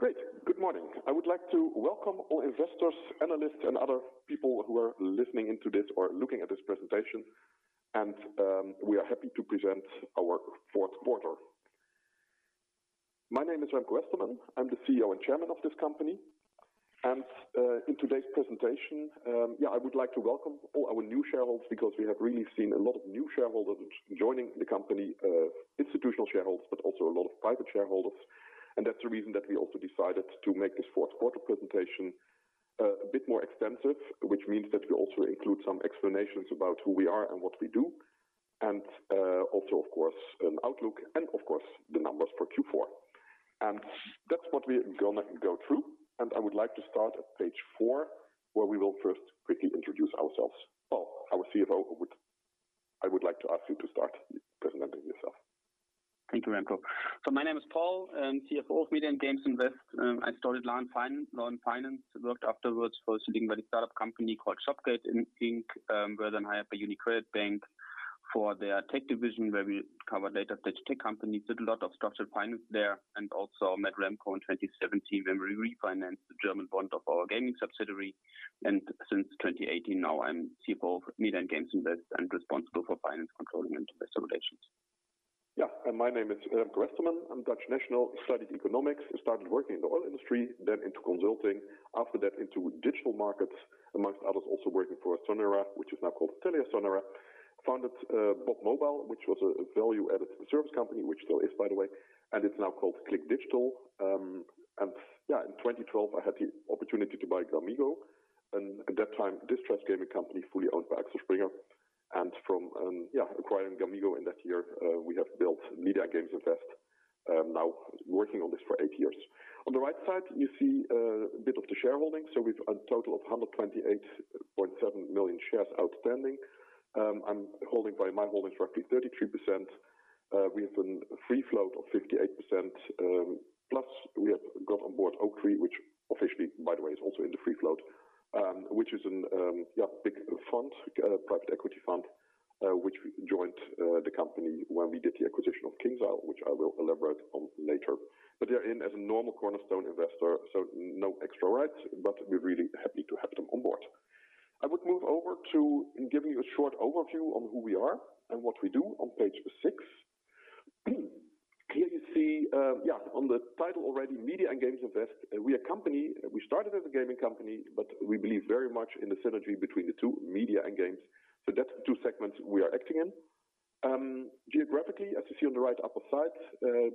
Great. Good morning. I would like to welcome all investors, analysts, and other people who are listening to this or looking at this presentation. We are happy to present our fourth quarter. My name is Remco Westermann. I'm the CEO and Chairman of this company. In today's presentation, I would like to welcome all our new shareholders because we have really seen a lot of new shareholders joining the company, institutional shareholders, but also a lot of private shareholders. That's the reason that we also decided to make this fourth quarter presentation a bit more extensive, which means that we also include some explanations about who we are and what we do, and also of course, an outlook and of course, the numbers for Q4. That's what we're going to go through. I would like to start at page four, where we will first quickly introduce ourselves. Well, our CFO, I would like to ask you to start presenting yourself. Thank you, Remco. My name is Paul, CFO of Media and Games Invest. I started in loan finance, worked afterwards for a Silicon Valley startup company called Shopgate Inc., where then I helped UniCredit Bank for their tech division, where we covered later stage tech companies. Did a lot of structured finance there, met Remco in 2017 when we refinanced the German bond of our gaming subsidiary. Since 2018 now I'm CFO of Media and Games Invest and responsible for finance controlling and investor relations. Yeah. My name is Remco Westermann. I am Dutch national, studied economics, and started working in the oil industry, then into consulting. After that into digital markets, amongst others, also working for Sonera, which is now called TeliaSonera, founded Bob Mobile, which was a value-added service company, which still is by the way, and it is now called CLIQ Digital. In 2012, I had the opportunity to buy gamigo, and at that time, distressed gaming company fully owned by Axel Springer. From acquiring gamigo in that year, we have built Media and Games Invest, now working on this for eight years. On the right side, you see a bit of the shareholding. We have a total of 128.7 million shares outstanding. I am holding by my holdings roughly 33%. We have a free float of 58%, plus we have got on board Oaktree, which officially by the way is also in the free float, which is a big private equity fund, which joined the company when we did the acquisition of KingsIsle, which I will elaborate on later. They're in as a normal cornerstone investor, so no extra rights, but we're really happy to have them on board. I would move over to giving you a short overview on who we are and what we do on page six. Here you see on the title already, Media and Games Invest. We started as a gaming company, but we believe very much in the synergy between the two, media and games. That's the two segments we are acting in. Geographically, as you see on the right upper side,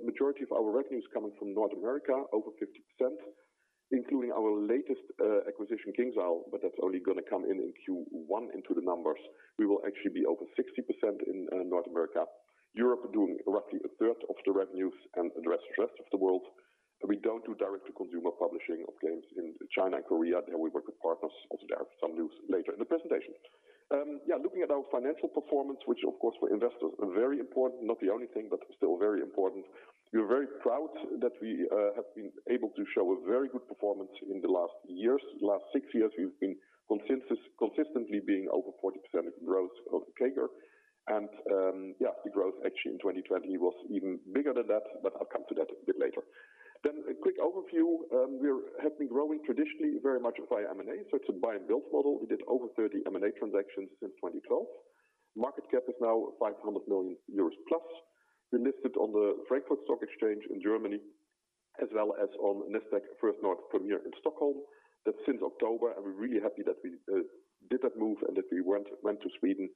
majority of our revenue is coming from North America, over 50%, including our latest acquisition, KingsIsle, but that's only going to come in in Q1 into the numbers. We will actually be over 60% in North America. Europe doing roughly a third of the revenues and the rest of the world. We don't do direct-to-consumer publishing of games in China and Korea. There we work with partners. Also, there is some news later in the presentation. Looking at our financial performance, which of course for investors is very important, not the only thing, but still very important. We are very proud that we have been able to show a very good performance in the last years. Last six years, we've been consistently being over 40% growth of CAGR. The growth actually in 2020 was even bigger than that, but I'll come to that a bit later. A quick overview. We have been growing traditionally very much via M&A, so it's a buy-and-build model. We did over 30 M&A transactions since 2012. Market cap is now 500 million euros+. We're listed on the Frankfurt Stock Exchange in Germany, as well as on Nasdaq First North Premier in Stockholm. That's since October, and we're really happy that we did that move and that we went to Sweden.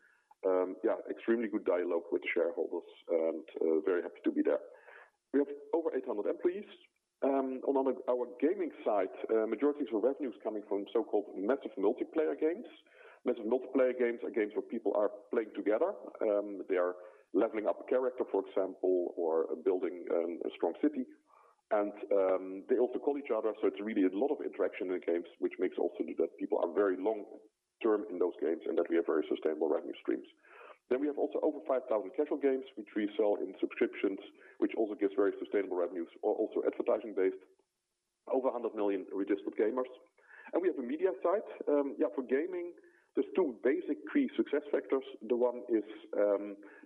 Extremely good dialogue with shareholders and very happy to be there. We have over 800 employees. On our gaming side, majority of our revenue is coming from so-called massive multiplayer games. Massive multiplayer games are games where people are playing together. They are leveling up a character, for example, or building a strong city. They also call each other, so it's really a lot of interaction in the games, which makes also that people are very long-term in those games and that we have very sustainable revenue streams. We have also over 5,000 casual games, which we sell in subscriptions, which also gives very sustainable revenues. Also advertising-based. Over 100 million registered gamers. We have a media side. For gaming, there's two basic key success factors. The one is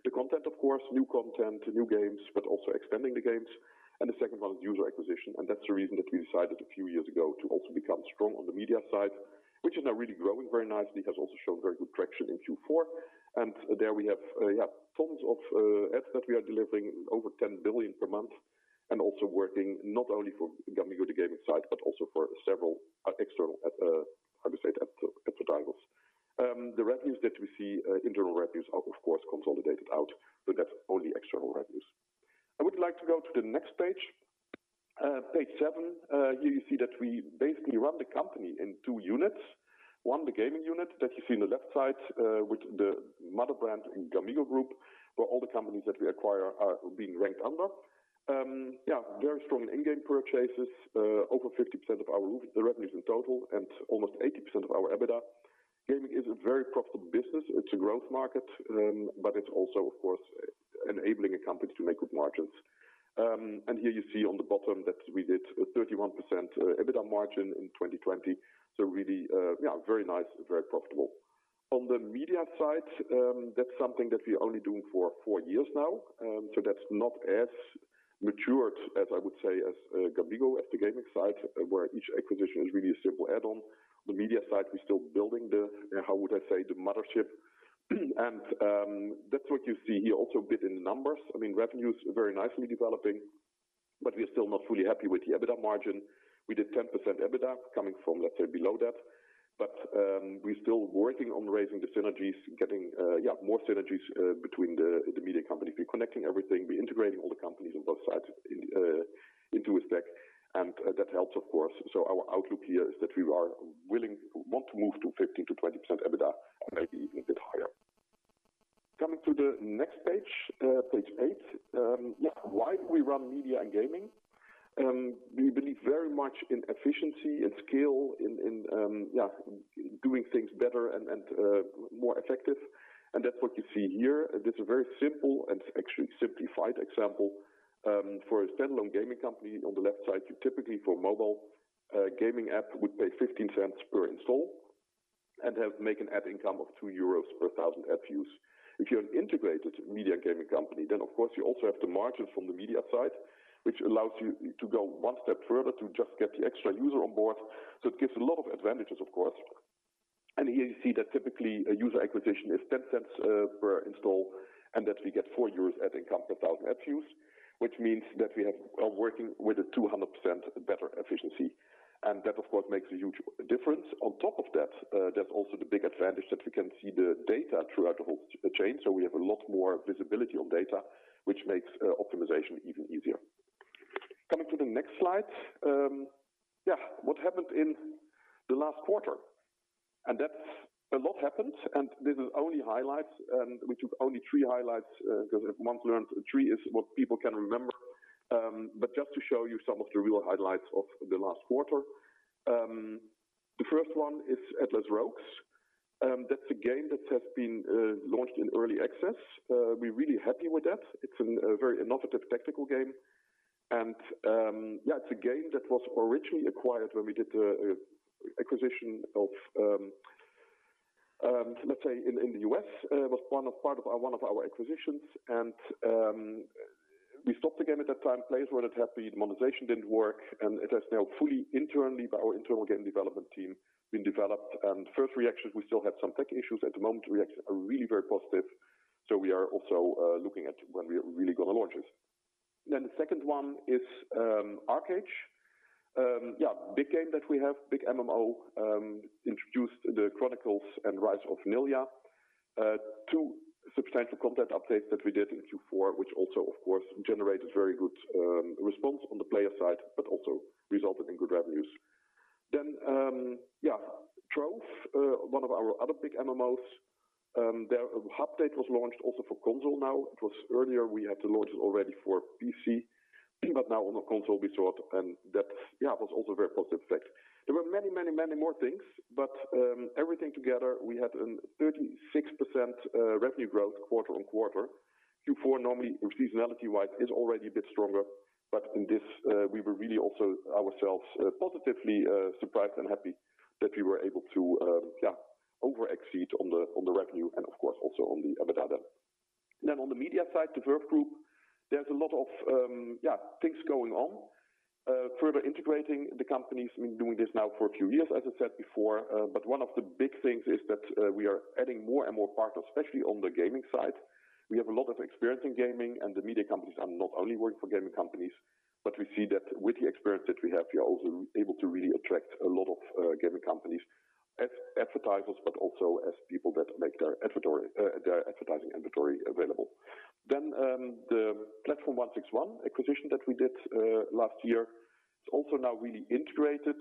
the content, of course, new content, new games, but also expanding the games. The second one is user acquisition, and that's the reason that we decided a few years ago to also become strong on the media side, which is now really growing very nicely, has also shown very good traction in Q4. There we have tons of ads that we are delivering over 10 billion per month and also working not only for gamigo, the gaming side, but also for several external advertisers. The revenues that we see, internal revenues are of course consolidated out, so that's only external revenues. I would like to go to the next page seven. Here you see that we basically run the company in two units. One, the gaming unit that you see on the left side, which the mother brand in gamigo group, where all the companies that we acquire are being ranked under. Very strong in-game purchases, over 50% of our revenues in total and almost 80% of our EBITDA. Gaming is a very profitable business. It's a growth market. It's also, of course, enabling a company to make good margins. Here you see on the bottom that we did a 31% EBITDA margin in 2020, really very nice and very profitable. On the media side, that's something that we're only doing for four years now. That's not as mature as, I would say, as gamigo, as the gaming side, where each acquisition is really a simple add-on. The media side, we're still building the, how would I say, the mothership? That's what you see here, also a bit in the numbers. Revenues are very nicely developing, but we're still not fully happy with the EBITDA margin. We did 10% EBITDA coming from, let's say, below that. We're still working on raising the synergies, getting more synergies between the media companies. We're connecting everything. We're integrating all the companies on both sides into a stack, and that helps, of course. Our outlook here is that we want to move to 15%-20% EBITDA, and maybe even a bit higher. Coming to the next page eight. Why do we run media and gaming? We believe very much in efficiency and scale in doing things better and more effective. That's what you see here. This is a very simple and actually simplified example. For a standalone gaming company on the left side, you typically, for a mobile gaming app, would pay 0.15 per install and make an ad income of 2 euros per thousand ad views. If you're an integrated media gaming company, of course you also have the margin from the media side, which allows you to go one step further to just get the extra user on board. It gives a lot of advantages, of course. Here you see that typically a user acquisition is 0.10 per install, and that we get 4 euros ad income per thousand ad views. Which means that we are working with a 200% better efficiency. That, of course, makes a huge difference. On top of that, there's also the big advantage that we can see the data throughout the whole chain. We have a lot more visibility on data, which makes optimization even easier. Coming to the next slide. What happened in the last quarter? A lot happened. This is only highlights. We took only three highlights, because if one learns, three is what people can remember. Just to show you some of the real highlights of the last quarter. The first one is Atlas Rogues. That's a game that has been launched in early access. We're really happy with that. It's a very innovative tactical game. It's a game that was originally acquired when we did the acquisition of, let's say, in the U.S. It was one of our acquisitions. We stopped the game at that time, players were not happy, the monetization didn't work. It has now fully, by our internal game development team, been developed. First reactions, we still had some tech issues. At the moment, reactions are really very positive. We are also looking at when we are really going to launch it. The second one is ArcheAge. Big game that we have big MMO. Introduced the Chronicles: Rise of Nehliya. Two substantial content updates that we did in Q4, which also, of course, generated very good response on the player side, but also resulted in good revenues. Trove, one of our other big MMOs. Their update was launched also for console now. It was earlier we had to launch it already for PC. Now on the console, we thought, and that was also a very positive effect. There were many more things, but everything together, we had a 36% revenue growth quarter-on-quarter. Q4, normally, seasonality-wise, is already a bit stronger. In this, we were really also ourselves positively surprised and happy that we were able to over-exceed on the revenue and of course also on the EBITDA. On the media side, the Verve Group, there's a lot of things going on. Further integrating the companies. We've been doing this now for a few years, as I said before. One of the big things is that we are adding more and more partners, especially on the gaming side. We have a lot of experience in gaming, and the media companies are not only working for gaming companies. We see that with the experience that we have, we are also able to really attract a lot of gaming companies as advertisers, but also as people that make their advertising inventory available. The Platform161 acquisition that we did last year is also now really integrated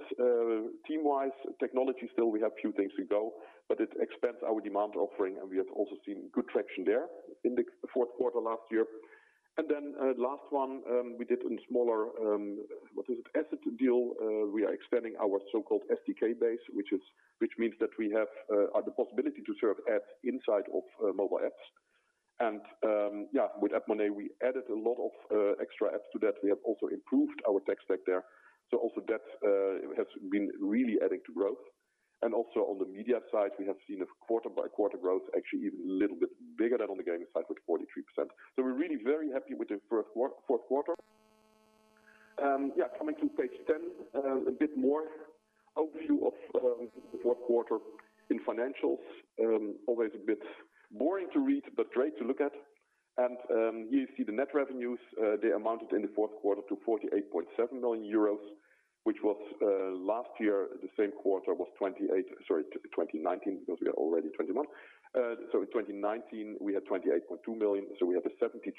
team-wise. Technology, still we have a few things to go, but it expands our demand offering, and we have also seen good traction there in the fourth quarter last year. Last one, we did in smaller, what is it? Asset deal. We are expanding our so-called SDK base, which means that we have the possibility to serve ads inside of mobile apps. With AppMonet, we added a lot of extra apps to that. We have also improved our tech stack there. Also, that has been really adding to growth. Also on the media side, we have seen a quarter-over-quarter growth, actually even a little bit bigger than on the gaming side with 43%. We're really very happy with the fourth quarter. Coming to page 10. A bit more overview of the fourth quarter in financials. Always a bit boring to read, but great to look at. Here you see the net revenues. They amounted in the fourth quarter to 48.7 million euros, which was last year, the same quarter was 28 million. Sorry, 2019, because we are already in 2021. In 2019, we had 28.2 million. We had a 73%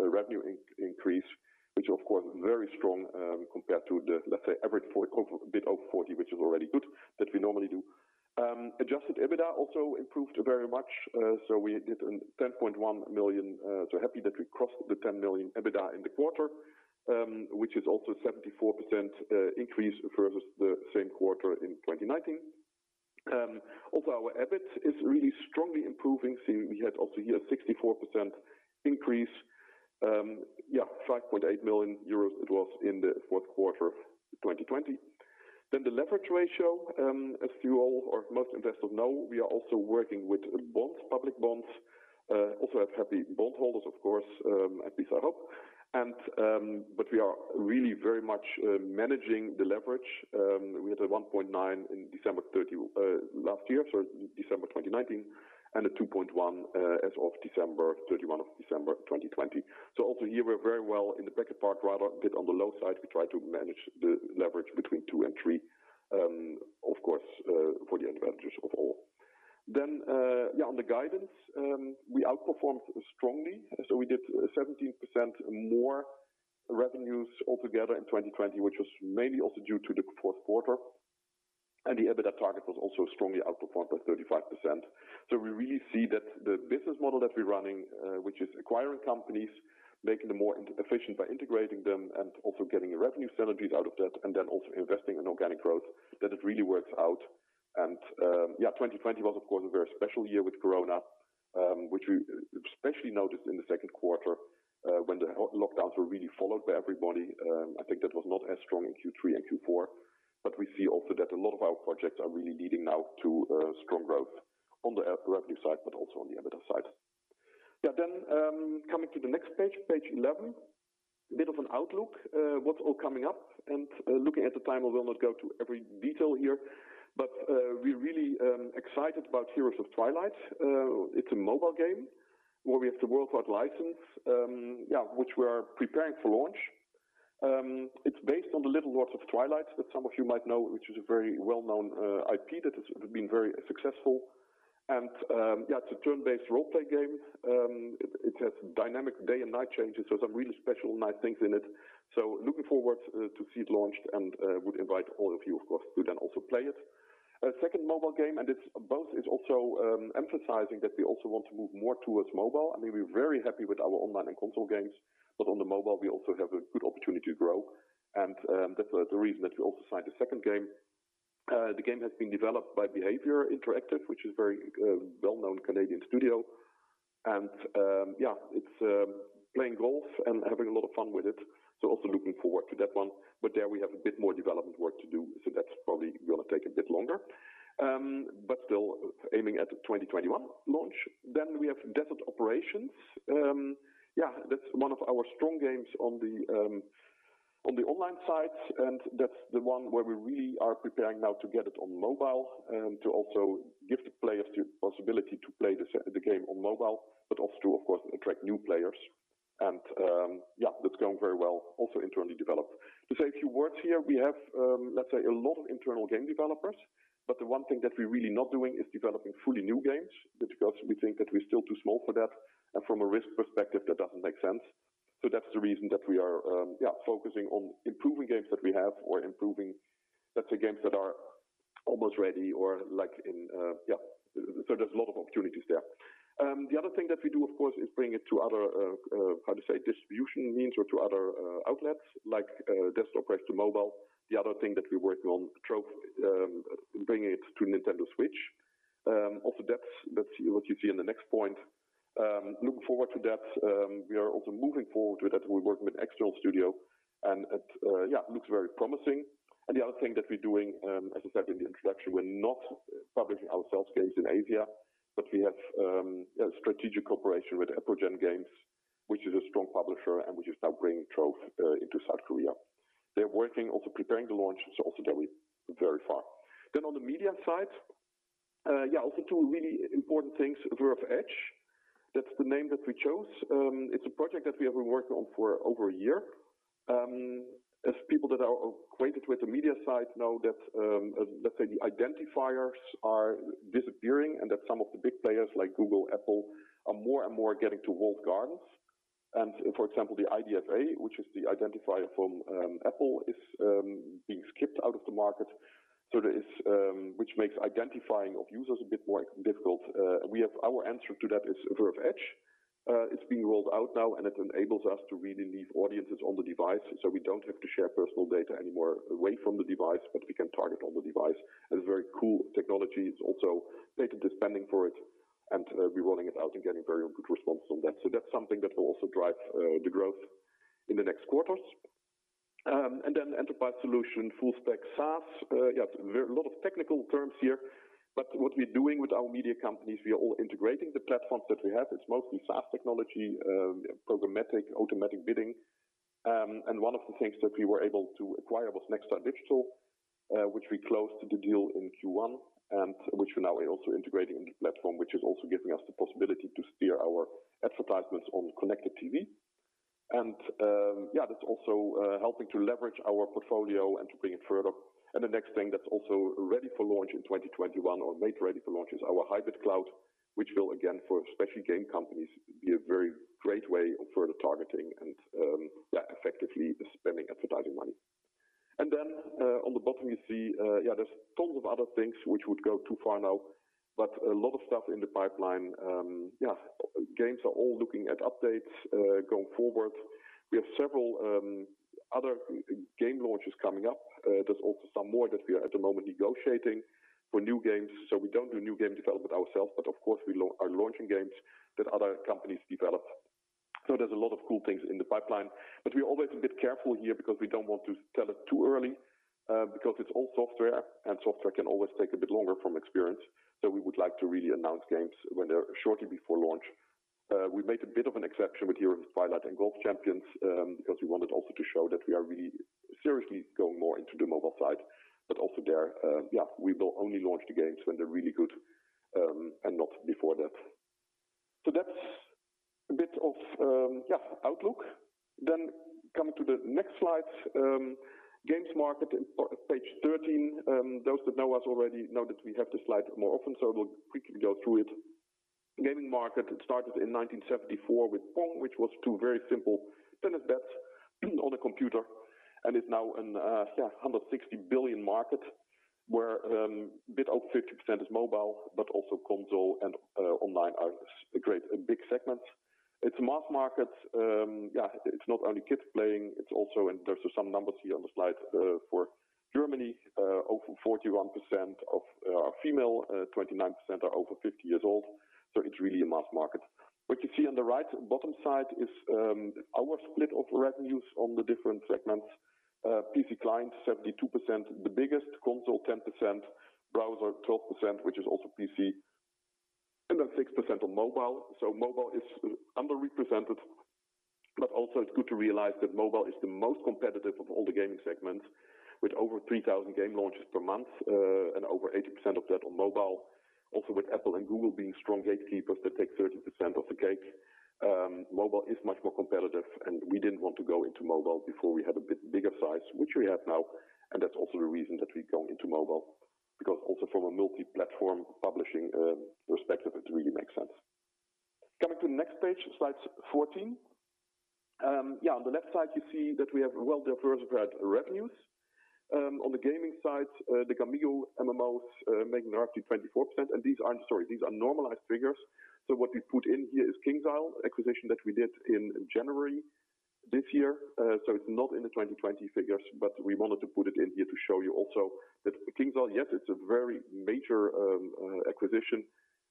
revenue increase, which of course is very strong compared to the, let's say, average bit of 40%, which is already good that we normally do. Adjusted EBITDA also improved very much. We did a 10.1 million. Happy that we crossed the 10 million EBITDA in the quarter, which is also 74% increase versus the same quarter in 2019. Our EBIT is really strongly improving, seeing we had also here a 64% increase. 5.8 million euros it was in the fourth quarter of 2020. The leverage ratio, as you all or most investors know, we are also working with bonds, public bonds. Have had the bondholders, of course, at Oaktree. We are really very much managing the leverage. We had a 1.9 in December 30 last year, so December 2019, and a 2.1 as of December 31 of December 2020. Here, we're very well in the bracket park, rather a bit on the low side. We try to manage the leverage between two and three, of course, for the advantage of all. On the guidance, we outperformed strongly. We did 17% more revenues altogether in 2020, which was mainly also due to the fourth quarter. The EBITDA target was also strongly outperformed by 35%. We really see that the business model that we're running, which is acquiring companies, making them more efficient by integrating them, and also getting revenue synergies out of that, and then also investing in organic growth, that it really works out. Yeah, 2020 was, of course, a very special year with Corona, which we especially noticed in the second quarter, when the lockdowns were really followed by everybody. I think that was not as strong in Q3 and Q4. We see also that a lot of our projects are really leading now to strong growth on the revenue side, but also on the EBITDA side. Coming to the next page 11, a bit of an outlook. What's all coming up, and looking at the time, I will not go to every detail here, but we're really excited about "Heroes of Twilight." It's a mobile game where we have the worldwide license, which we are preparing for launch. It's based on "The Little Lords of Twilight" that some of you might know, which is a very well-known IP that has been very successful. It's a turn-based role-play game. It has dynamic day and night changes, so some really special night things in it. Looking forward to see it launched and would invite all of you, of course, to then also play it. A second mobile game, it's both is also emphasizing that we also want to move more towards mobile. I mean, we're very happy with our online and console games, but on the mobile, we also have a good opportunity to grow. That's the reason that we also signed a second game. The game has been developed by Behaviour Interactive, which is very well-known Canadian studio. Yeah, it's playing golf and having a lot of fun with it. Also looking forward to that one. There we have a bit more development work to do, so that's probably going to take a bit longer. Still aiming at the 2021 launch. We have Desert Operations. Yeah, that's one of our strong games on the online side, and that's the one where we really are preparing now to get it on mobile and to also give the players the possibility to play the game on mobile, but also to, of course, attract new players. Yeah, that's going very well, also internally developed. To say a few words here, we have, let's say, a lot of internal game developers, but the one thing that we're really not doing is developing fully new games because we think that we're still too small for that. From a risk perspective, that doesn't make sense. That's the reason that we are, yeah, focusing on improving games that we have or improving, let's say, games that are almost ready. There's a lot of opportunities there. The other thing that we do, of course, is bring it to other, how to say, distribution means or to other outlets, like desktop guys to mobile. The other thing that we're working on, Trove, bringing it to Nintendo Switch. That's what you see in the next point. Looking forward to that. We are also moving forward with that. We're working with external studio, and it, yeah, looks very promising. The other thing that we're doing, as I said in the introduction, we're not publishing ourselves games in Asia, but we have a strategic cooperation with Aprogen Games, which is a strong publisher and which is now bringing Trove into South Korea. They're working, also preparing the launch, so also that we're very far. On the media side, yeah, also two really important things. Verve Edge, that's the name that we chose. It's a project that we have been working on for over a year. As people that are acquainted with the media side know that, let's say, the identifiers are disappearing and that some of the big players like Google, Apple, are more and more getting to walled gardens. For example, the IDFA, which is the identifier from Apple, is being skipped out of the market, which makes identifying of users a bit more difficult. Our answer to that is Verve Edge. It's being rolled out now, and it enables us to read and leave audiences on the device, so we don't have to share personal data anymore away from the device, but we can target on the device. It's very cool technology. It's also data spending for it, and we're rolling it out and getting very good response on that. That's something that will also drive the growth in the next quarters. Enterprise solution, full stack SaaS. Yeah, a lot of technical terms here, but what we're doing with our media companies, we are all integrating the platforms that we have. It's mostly SaaS technology, programmatic, automatic bidding. One of the things that we were able to acquire was Nexstar Digital, which we closed the deal in Q1, and which we now are also integrating into platform, which is also giving us the possibility to steer our advertisements on connected TV. Yeah, that's also helping to leverage our portfolio and to bring it further. The next thing that's also ready for launch in 2021 or made ready for launch is our hybrid cloud, which will again, for especially game companies, be a very great way of further targeting and, yeah, effectively spending advertising money. On the bottom you see, there's tons of other things which would go too far now, but a lot of stuff in the pipeline. Games are all looking at updates going forward. Several other game launches coming up. There's also some more that we are at the moment negotiating for new games. We don't do new game development ourselves, but of course, we are launching games that other companies develop. There's a lot of cool things in the pipeline, but we're always a bit careful here because we don't want to tell it too early, because it's all software and software can always take a bit longer from experience. We would like to really announce games when they're shortly before launch. We made a bit of an exception with Heroes of Twilight and Golf Champions, because we wanted also to show that we are really seriously going more into the mobile side, but also there, we will only launch the games when they're really good, and not before that. That's a bit of outlook. Coming to the next slide, games market, page 13. Those that know us already know that we have this slide more often, so we'll quickly go through it. Game market, it started in 1974 with Pong, which was two very simple tennis bats on a computer, and is now a 160 billion market where a bit over 50% is mobile, but also console and online are big segments. It's a mass market. It's not only kids playing, it's also, and there's some numbers here on the slide for Germany, over 41% are female, 29% are over 50 years old. It's really a mass market. What you see on the right bottom side is our split of revenues on the different segments. PC client, 72%, the biggest. Console, 10%. Browser, 12%, which is also PC. 6% on mobile. Mobile is underrepresented, but also, it's good to realize that mobile is the most competitive of all the gaming segments with over 3,000 game launches per month, and over 80% of that on mobile. Also with Apple and Google being strong gatekeepers that take 30% of the cake. Mobile is much more competitive and we didn't want to go into mobile before we had a bit bigger size, which we have now, and that's also the reason that we're going into mobile, because also from a multi-platform publishing perspective, it really makes sense. Coming to the next page, slide 14. On the left side, you see that we have well-diversified revenues. On the gaming side, the gamigo MMOs make roughly 24%. These are normalized figures. What we put in here is KingsIsle acquisition that we did in January this year. It's not in the 2020 figures, but we wanted to put it in here to show you also that KingsIsle, yes, it's a very major acquisition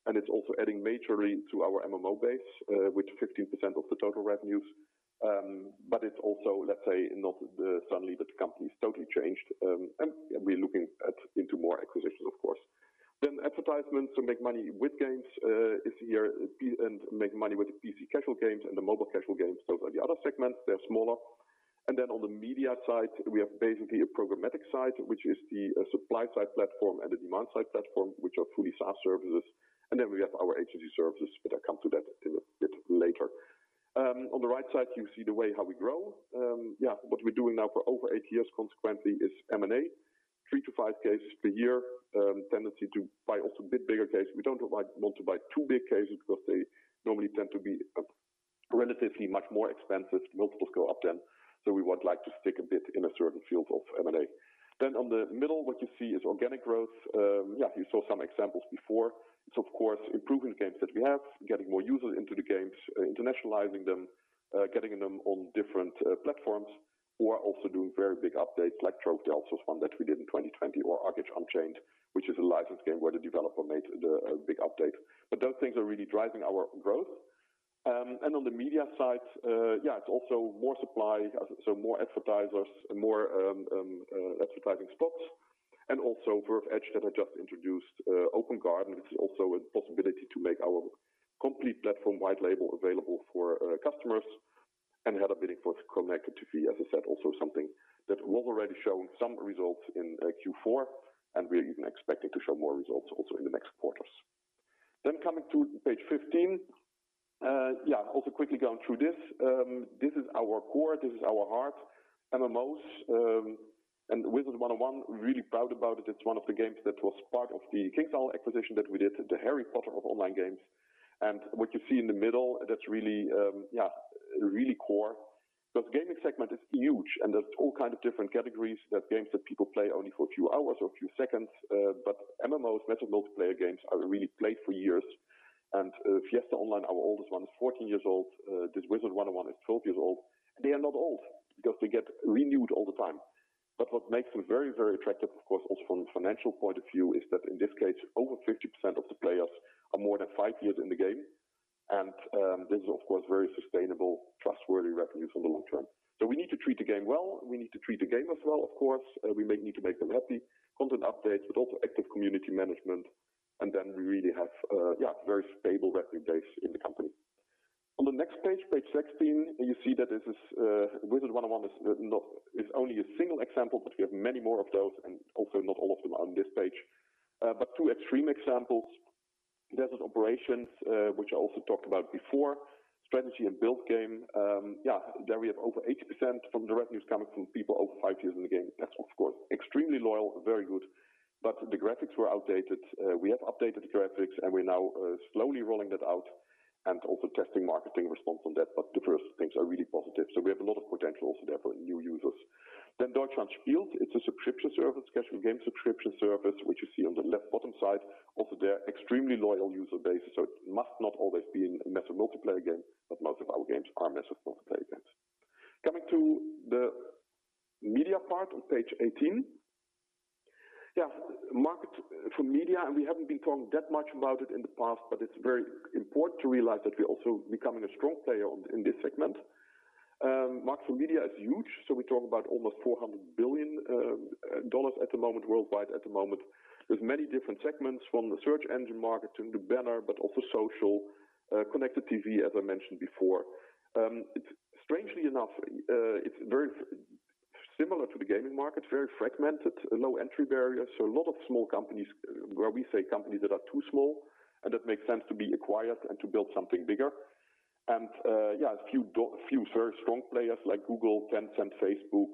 and it's also adding majorly to our MMO base with 15% of the total revenues. It's also, let's say, not suddenly that the company's totally changed. We're looking into more acquisitions, of course. Advertisements to make money with games is here and make money with the PC casual games and the mobile casual games. Those are the other segments. They're smaller. On the media side, we have basically a programmatic side, which is the supply side platform and the demand side platform, which are fully SaaS services. We have our agency services, but I'll come to that a bit later. On the right side, you see the way how we grow. What we're doing now for over eight years consequently is M&A, three to five cases per year. Tendency to buy also a bit bigger cases. We don't want to buy too big cases because they normally tend to be relatively much more expensive. Multiples go up then. We would like to stick a bit in a certain field of M&A. On the middle, what you see is organic growth. You saw some examples before. It's of course improving games that we have, getting more users into the games, internationalizing them, getting them on different platforms, or also doing very big updates like Trove, the Elves one that we did in 2020 or ArcheAge: Unchained, which is a licensed game where the developer made a big update. Those things are really driving our growth. On the media side, it's also more supply, so more advertisers and more advertising spots. Also, Verve Edge that I just introduced, [open garden] which is also a possibility to make our complete platform white label available for customers and header bidding for connectivity. As I said, also something that we've already shown some results in Q4 and we're even expecting to show more results also in the next quarters. Coming to page 15. Also, quickly going through this. This is our core. This is our heart. MMOs and Wizard101, really proud about it. It's one of the games that was part of the KingsIsle acquisition that we did, the Harry Potter of online games. What you see in the middle, that's really core. Gaming segment is huge and there's all kind of different categories that games that people play only for a few hours or a few seconds. MMOs, massive multiplayer games are really played for years. Fiesta Online, our oldest one, is 14 years old. This Wizard101 is 12 years old. They are not old because they get renewed all the time. What makes them very attractive, of course, also from a financial point of view, is that in this case, over 50% of the players are more than five years in the game. This is, of course, very sustainable, trustworthy revenues for the long term. We need to treat the game well. We need to treat the gamers well, of course. We may need to make them happy. Content updates, but also active community management. We really have a very stable revenue base in the company. On the next page 16, you see that Wizard101 is only a single example, but we have many more of those and also not all of them are on this page. Two extreme examples, Desert Operations, which I also talked about before, strategy and build game. There we have over 80% from the revenues coming from people over five years in the game. That's, of course, extremely loyal, very good. The graphics were outdated. We have updated the graphics and we're now slowly rolling that out and also testing marketing response on that. The first things are really positive. We have a lot of potential there for new users. "Deutschland Spielt," it's a subscription service, casual game subscription service, which you see on the left bottom side. Also, they're extremely loyal user base, so it must not always be a massively multiplayer game, but most of our games are massively multiplayer games. Coming to the media part on page 18. Market for media, and we haven't been talking that much about it in the past, but it's very important to realize that we're also becoming a strong player in this segment. Market for media is huge. We're talking about almost EUR 400 billion at the moment, worldwide. With many different segments from the search engine market to the banner, but also social, connected TV, as I mentioned before. Strangely enough, it's very similar to the gaming market, very fragmented, low entry barrier, so a lot of small companies, where we say companies that are too small, and that makes sense to be acquired and to build something bigger. Yeah, a few very strong players like Google, Tencent, Facebook,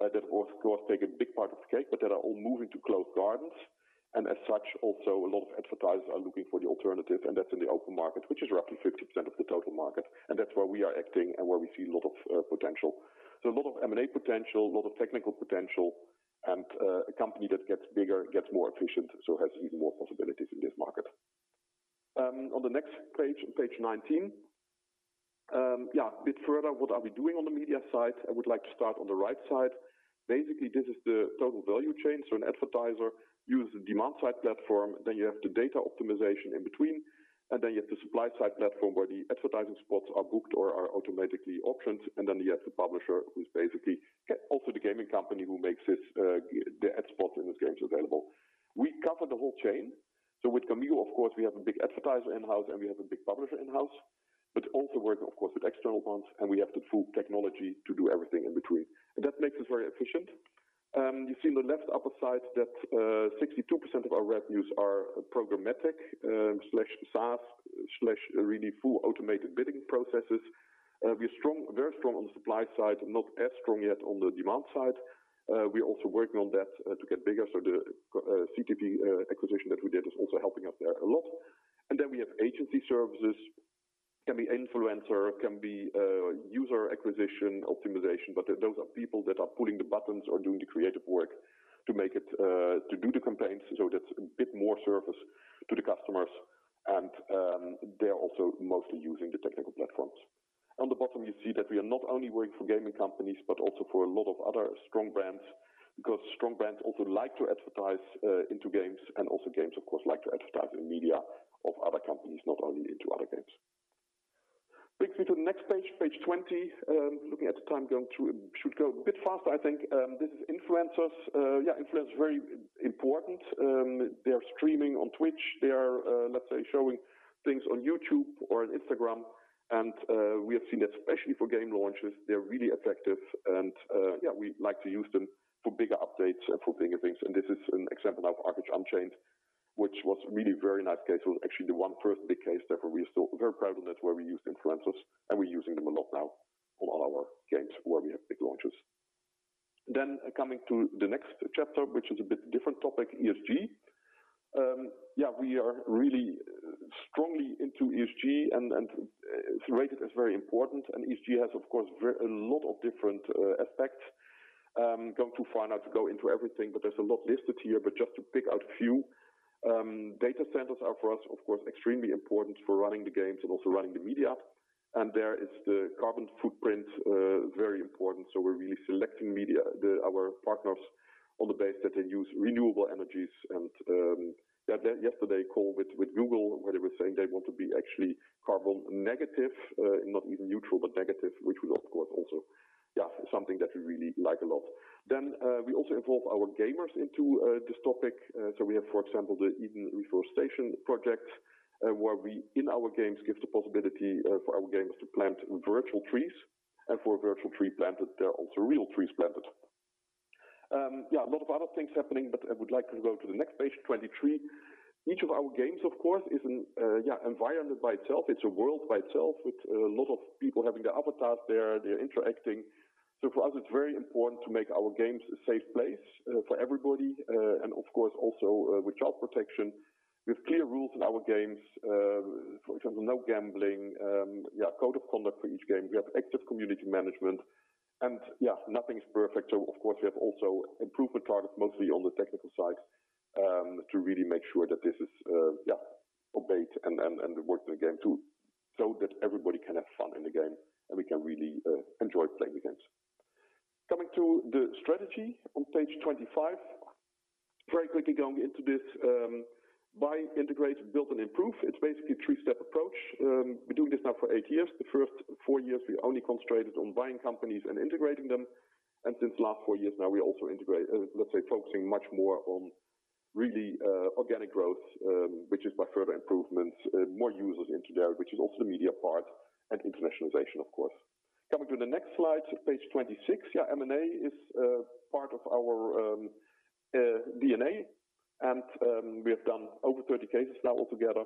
that of course take a big part of the cake, but that are all moving to walled gardens. As such, also a lot of advertisers are looking for the alternative, and that's in the open market, which is roughly 50% of the total market. That's where we are acting and where we see a lot of potential. A lot of M&A potential, a lot of technical potential, and a company that gets bigger, gets more efficient, so has even more possibilities in this market. On the next page 19. Yeah, a bit further, what are we doing on the media side? I would like to start on the right side. Basically, this is the total value chain. An advertiser uses a demand side platform, then you have the data optimization in between, and then you have the supply side platform where the advertising spots are booked or are automatically auctioned, and then you have the publisher who's basically also the gaming company who makes the ad spots in his games available. We cover the whole chain. With gamigo, of course, we have a big advertiser in-house and we have a big publisher in-house, but also working, of course, with external ones, and we have the full technology to do everything in between. That makes us very efficient. You see in the left upper side that 62% of our revenues are programmatic/SaaS/really full automated bidding processes. We are very strong on the supply side, not as strong yet on the demand side. We are also working on that to get bigger. The CTV acquisition that we did is also helping us there a lot. We have agency services. Can be influencer, can be user acquisition optimization, but those are people that are pulling the buttons or doing the creative work to do the campaigns. That's a bit more service to the customers. They are also mostly using the technical platforms. On the bottom, you see that we are not only working for gaming companies, but also for a lot of other strong brands, because strong brands also like to advertise into games and also games, of course, like to advertise in media of other companies, not only into other games. Brings me to the next page 20. Looking at the time, should go a bit faster, I think. This is influencers. Yeah, influencers are very important. They are streaming on Twitch. They are, let's say, showing things on YouTube or on Instagram. We have seen that especially for game launches, they're really effective. Yeah, we like to use them for bigger updates and for bigger things. This is an example now of ArcheAge: Unchained, which was really very nice case. It was actually the one first big case that we are still very proud of that, where we used influencers. We're using them a lot now on all our games where we have big launches. Coming to the next chapter, which is a bit different topic, ESG. Yeah, we are really strongly into ESG. It's rated as very important. ESG has, of course, a lot of different aspects. Going too far now to go into everything. There's a lot listed here. Just to pick out a few. Data centers are for us, of course, extremely important for running the games and also running the media. There is the carbon footprint, very important. We're really selecting media, our partners on the base that they use renewable energies. Had that yesterday call with Google, where they were saying they want to be actually carbon negative, not even neutral, but negative, which will, of course, also something that we really like a lot. We also involve our gamers into this topic. We have, for example, the Eden Reforestation Projects, where we, in our games, give the possibility for our gamers to plant virtual trees. For a virtual tree planted, there are also real trees planted. A lot of other things happening. I would like to go to the next page 23. Each of our games, of course, is an environment by itself. It's a world by itself with a lot of people having their avatars there, they're interacting. For us, it's very important to make our games a safe place for everybody. Of course, also with child protection. We have clear rules in our games. For example, no gambling. Yeah, a code of conduct for each game. We have active community management. Yeah, nothing's perfect. Of course, we have also improvement targets mostly on the technical side to really make sure that this is, yeah, obeyed and worked in the game too so that everybody can have fun in the game, and we can really enjoy playing the games. Coming to the strategy on page 25. Very quickly going into this. Buy, integrate, build, and improve. It's basically a three-step approach. We're doing this now for eight years. The first four years, we only concentrated on buying companies and integrating them. Since last four years now, we also, let's say, focusing much more on really organic growth, which is by further improvements, more users into there, which is also the media part and internationalization, of course. Coming to the next slide, page 26. Yeah, M&A is part of our DNA. We have done over 30 cases now altogether.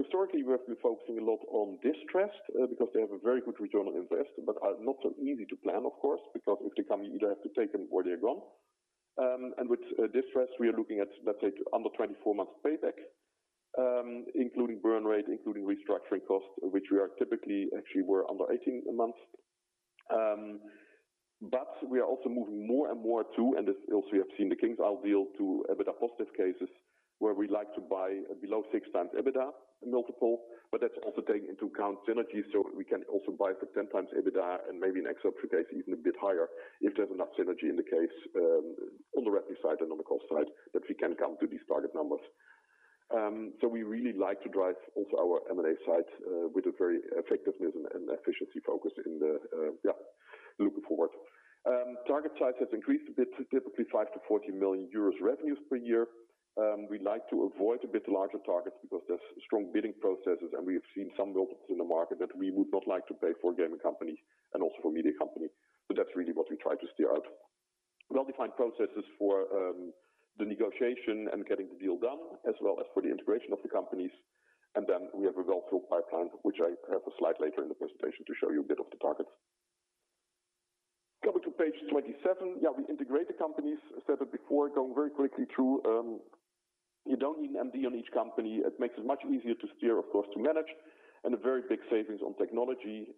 Historically, we have been focusing a lot on distressed because they have a very good return on invest, but are not so easy to plan, of course, because if they come, you either have to take them or they're gone. With distress, we are looking at, let's say, under 24 months payback including burn rate, including restructuring costs, which we are typically actually were under 18 months. We are also moving more and more to, and this also you have seen the KingsIsle deal to EBITDA positive cases where we like to buy below six times EBITDA multiple, but that's also taking into account synergy. We can also buy for 10 times EBITDA and maybe in exception cases even a bit higher if there's enough synergy in the case, on the revenue side and on the cost side that we can come to these target numbers. We really like to drive also our M&A side, with a very effectiveness and efficiency focus. Yeah, looking forward. Target size has increased a bit, typically 5 million-40 million euros revenues per year. We like to avoid a bit larger targets because there's strong bidding processes and we have seen some multiples in the market that we would not like to pay for a gaming company and also for media company. That's really what we try to steer out. Well-defined processes for the negotiation and getting the deal done as well as for the integration of the companies. We have a well filled pipeline, which I have a slide later in the presentation to show you a bit of the targets. Coming to page 27. We integrate the companies. I said it before, going very quickly through, you don't need MD on each company. It makes it much easier to steer, of course, to manage, and a very big savings on technology.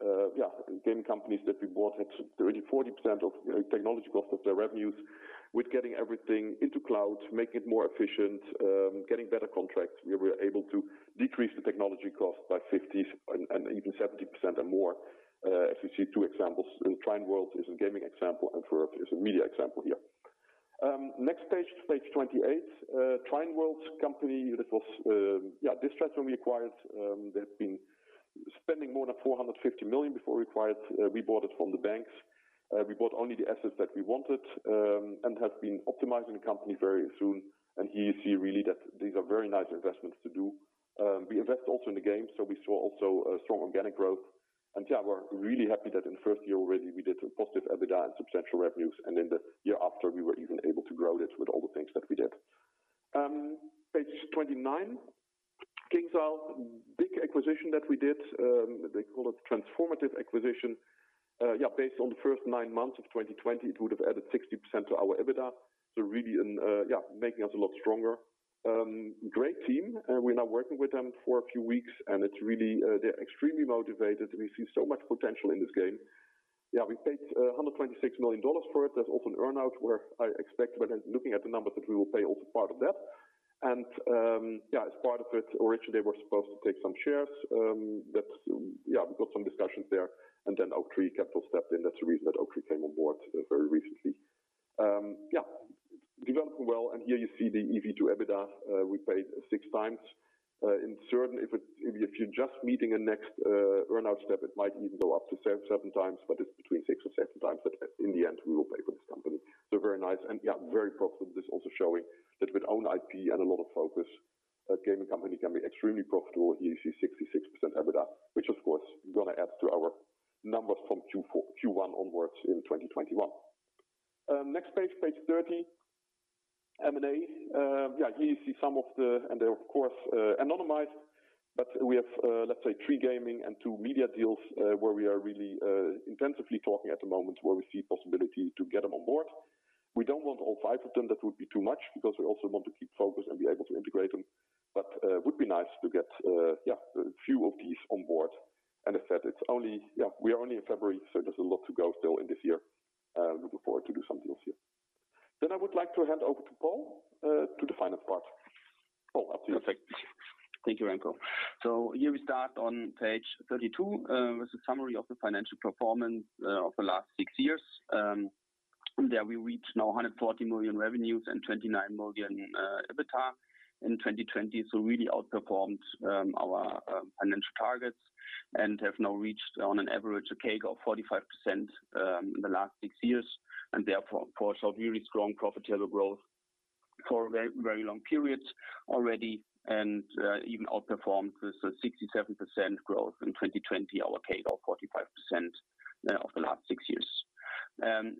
Game companies that we bought had 30%, 40% of technology cost of their revenues. With getting everything into cloud, making it more efficient, getting better contracts, we were able to decrease the technology cost by 50% and even 70% or more. As you see two examples, Trion Worlds is a gaming example, and Verve is a media example here. Next page 28. Trion Worlds company, that was distress when we acquired. They've been spending more than 450 million before we acquired. We bought it from the banks. We bought only the assets that we wanted, have been optimizing the company very soon. Here you see really that these are very nice investments to do. We invest also in the game, we saw also a strong organic growth. Yeah, we're really happy that in the first year already we did positive EBITDA and substantial revenues, and in the year after, we were even able to grow this with all the things that we did. Page 29. KingsIsle, big acquisition that we did. They call it transformative acquisition. Yeah, based on the first nine months of 2020, it would have added 60% to our EBITDA. Really, making us a lot stronger. Great team, and we're now working with them for a few weeks and they're extremely motivated. We see so much potential in this game. Yeah, we paid $126 million for it. There's also an earn-out where I expect by then looking at the numbers that we will pay also part of that. As part of it, originally they were supposed to take some shares. We've got some discussions there and then Oaktree Capital stepped in. That's the reason that Oaktree came on board very recently. Developing well, and here you see the EV to EBITDA. We paid 6x. In certain, if you're just meeting a next earn-out step, it might even go up to 7x, it's between 6x and 7x that in the end we will pay for this company. Very nice and very profitable. This also showing that with own IP and a lot of focus, a gaming company can be extremely profitable. Here you see 66% EBITDA, which of course is going to add to our numbers from Q1 onwards in 2021. Next page 30. M&A. Here you see some of the, and they are of course anonymized, but we have, let's say three gaming and two media deals, where we are really intensively talking at the moment where we see possibility to get them on board. We don't want all five of them. That would be too much because we also want to keep focused and be able to integrate them. Would be nice to get a few of these on board. I said, we are only in February, so there's a lot to go still in this year. Looking forward to do some deals here. I would like to hand over to Paul to the finance part. Paul, up to you. Thanks. Thank you, Remco. Here we start on page 32, with a summary of the financial performance of the last six years. There we reached now 140 million revenues and 29 million EBITDA in 2020. Really outperformed our financial targets and have now reached on an average a CAGR of 45% in the last six years. Therefore, show really strong profitable growth for very long periods already and even outperformed this 67% growth in 2020, our CAGR of 45% of the last six years.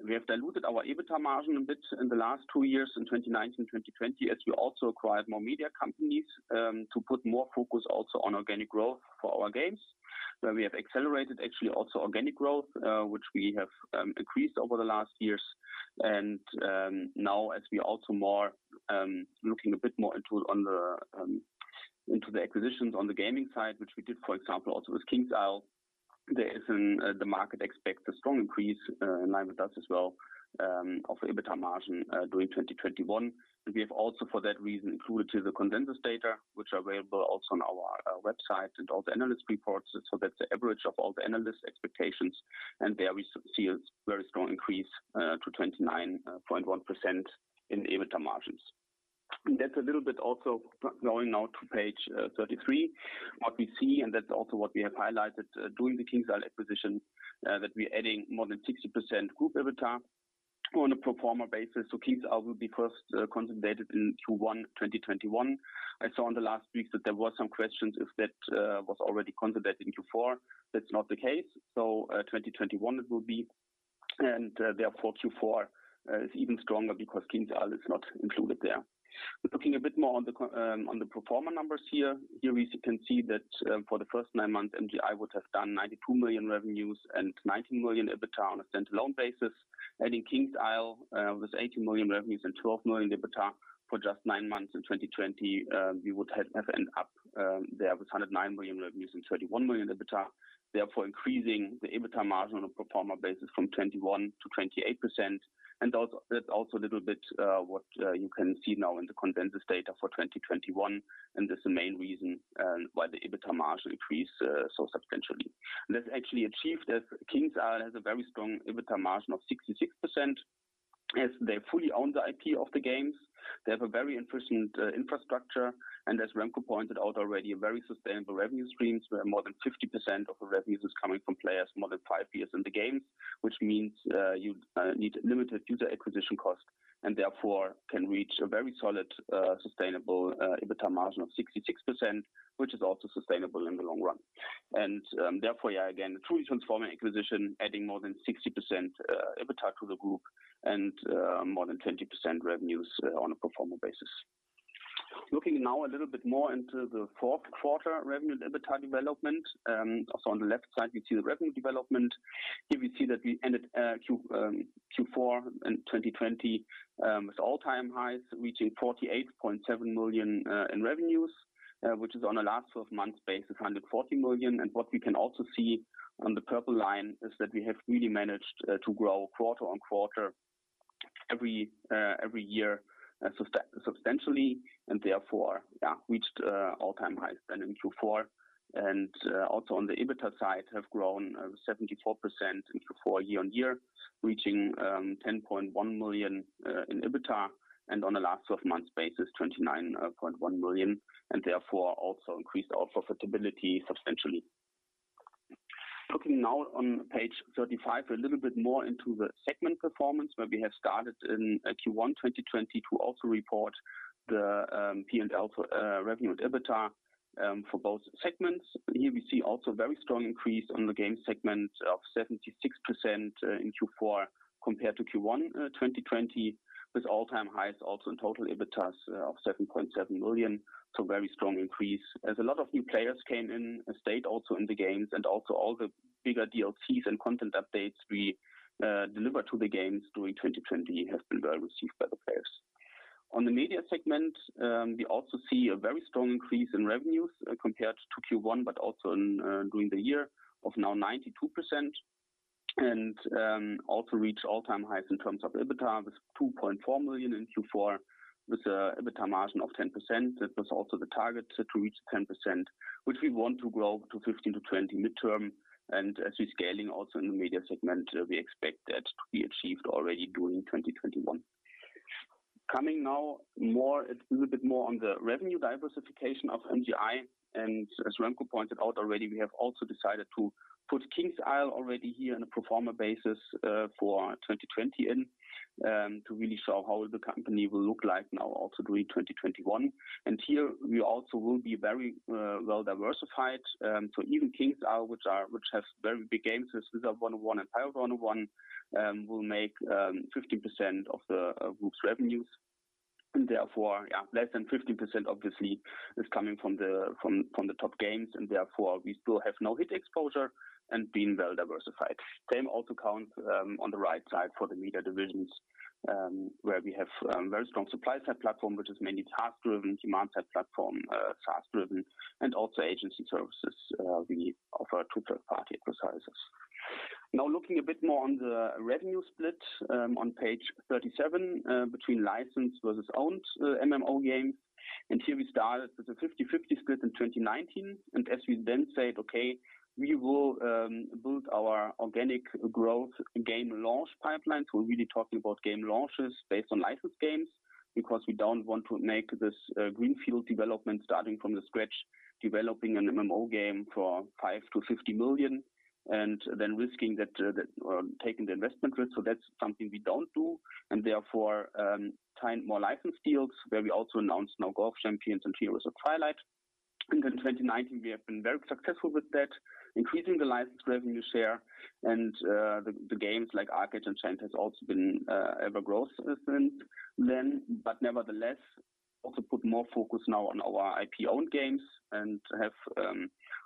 We have diluted our EBITDA margin a bit in the last two years, in 2019, 2020, as we also acquired more media companies, to put more focus also on organic growth for our games. Where we have accelerated actually also organic growth, which we have increased over the last years. Now as we also more, looking a bit more into the acquisitions on the gaming side, which we did for example also with KingsIsle, the market expects a strong increase, and I with us as well, of EBITDA margin during 2021. We have also for that reason included to the consensus data which are available also on our website and all the analyst reports. That's the average of all the analyst expectations and there we see a very strong increase to 29.1% in EBITDA margins. That's a little bit also going now to page 33, what we see, and that's also what we have highlighted during the KingsIsle acquisition, that we adding more than 60% group EBITDA on a pro forma basis. KingsIsle will be first consolidated in Q1 2021. I saw in the last weeks that there was some questions if that was already consolidated in Q4. That's not the case. 2021 it will be and therefore Q4 is even stronger because KingsIsle is not included there. Looking a bit more on the pro forma numbers here we can see that for the first nine months, MGI would have done 92 million revenues and 19 million EBITDA on a stand-alone basis. Adding KingsIsle with 18 million revenues and 12 million EBITDA for just nine months in 2020, we would have ended up there with 109 million revenues and 31 million EBITDA, therefore increasing the EBITDA margin on a pro forma basis from 21% to 28%. That's also a little bit what you can see now in the consensus data for 2021, and that's the main reason why the EBITDA margin increased so substantially. That's actually achieved as KingsIsle has a very strong EBITDA margin of 66%. As they fully own the IP of the games, they have a very interesting infrastructure, and as Remco pointed out already, very sustainable revenue streams where more than 50% of the revenues is coming from players more than five years in the game, which means you need limited user acquisition costs and therefore can reach a very solid, sustainable EBITDA margin of 66%, which is also sustainable in the long run. Therefore, yeah, again, a truly transforming acquisition, adding more than 60% EBITDA to the group and more than 20% revenues on a pro forma basis. Looking now a little bit more into the fourth quarter revenue and EBITDA development. Also on the left side, we see the revenue development. Here we see that we ended Q4 in 2020 with all-time highs, reaching 48.7 million in revenues, which is on a last 12-month basis, 140 million. What we can also see on the purple line is that we have really managed to grow quarter-on-quarter every year substantially, therefore reached all-time highs then in Q4. Also on the EBITDA side have grown 74% in Q4 year-over-year, reaching 10.1 million in EBITDA and on a last 12-month basis, 29.1 million, therefore also increased our profitability substantially. Looking now on page 35 a little bit more into the segment performance, where we have started in Q1 2020 to also report the P&L revenue and EBITDA for both segments. Here we see also very strong increase on the game segment of 76% in Q4 compared to Q1 2020, with all-time highs also in total EBITDA of 7.7 million, very strong increase as a lot of new players came in and stayed also in the games and also all the bigger DLCs and content updates we delivered to the games during 2020 have been well received by the players. On the media segment, we also see a very strong increase in revenues compared to Q1, also during the year of now 92%, also reached all-time highs in terms of EBITDA with 2.4 million in Q4 with EBITDA margin of 10%. That was also the target to reach 10%, which we want to grow to 15%-20% midterm. As we scaling also in the media segment, we expect that to be achieved already during 2021. Coming now a little bit more on the revenue diversification of MGI, and as Remco pointed out already, we have also decided to put KingsIsle already here on a pro forma basis for 2020 in to really show how the company will look like now also during 2021. Here we also will be very well diversified. Even KingsIsle, which has very big games as Wizard101 and Pirate101, will make 50% of the group's revenues, and therefore less than 50% obviously is coming from the top games, and therefore we still have no hit exposure and been well diversified. Same also count on the right side for the media divisions, where we have very strong supply side platform, which is mainly tech-driven, demand side platform, tech-driven, and also agency services we offer to third-party advertisers. Looking a bit more on the revenue split on page 37 between licensed versus owned MMO games. Here we started with a 50/50 split in 2019, as we then said, okay, we will build our organic growth game launch pipeline. We're really talking about game launches based on licensed games because we don't want to make this greenfield development starting from the scratch, developing an MMO game for 5 million-50 million and then risking that or taking the investment risk. That's something we don't do, therefore signed more license deals where we also announced Golf Champions and Heroes of Twilight in 2019. We have been very successful with that, increasing the licensed revenue share and the games like ArcheAge and Shaiya has also been ever growth since then, but nevertheless also put more focus now on our IP-owned games and have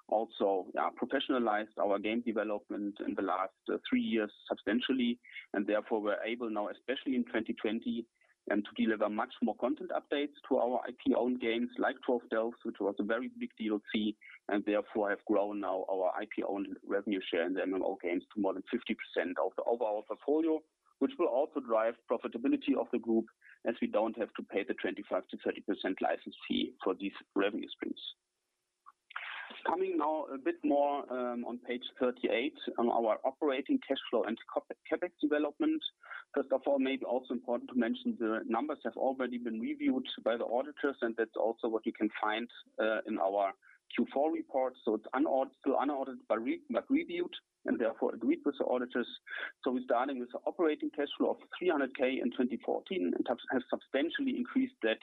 also professionalized our game development in the last three years substantially, and therefore we're able now, especially in 2020, to deliver much more content updates to our IP-owned games like Trove Delves, which was a very big DLC, and therefore have grown now our IP-owned revenue share in the MMO games to more than 50% of the overall portfolio. Which will also drive profitability of the group as we don't have to pay the 25%-30% license fee for these revenue streams. Coming now a bit more on page 38 on our operating cash flow and CapEx development. First of all, maybe also important to mention the numbers have already been reviewed by the auditors. That's also what you can find in our Q4 report, so it's still unaudited but reviewed and therefore agreed with the auditors. We're starting with the operating cash flow of 300 thousand in 2014 and have substantially increased that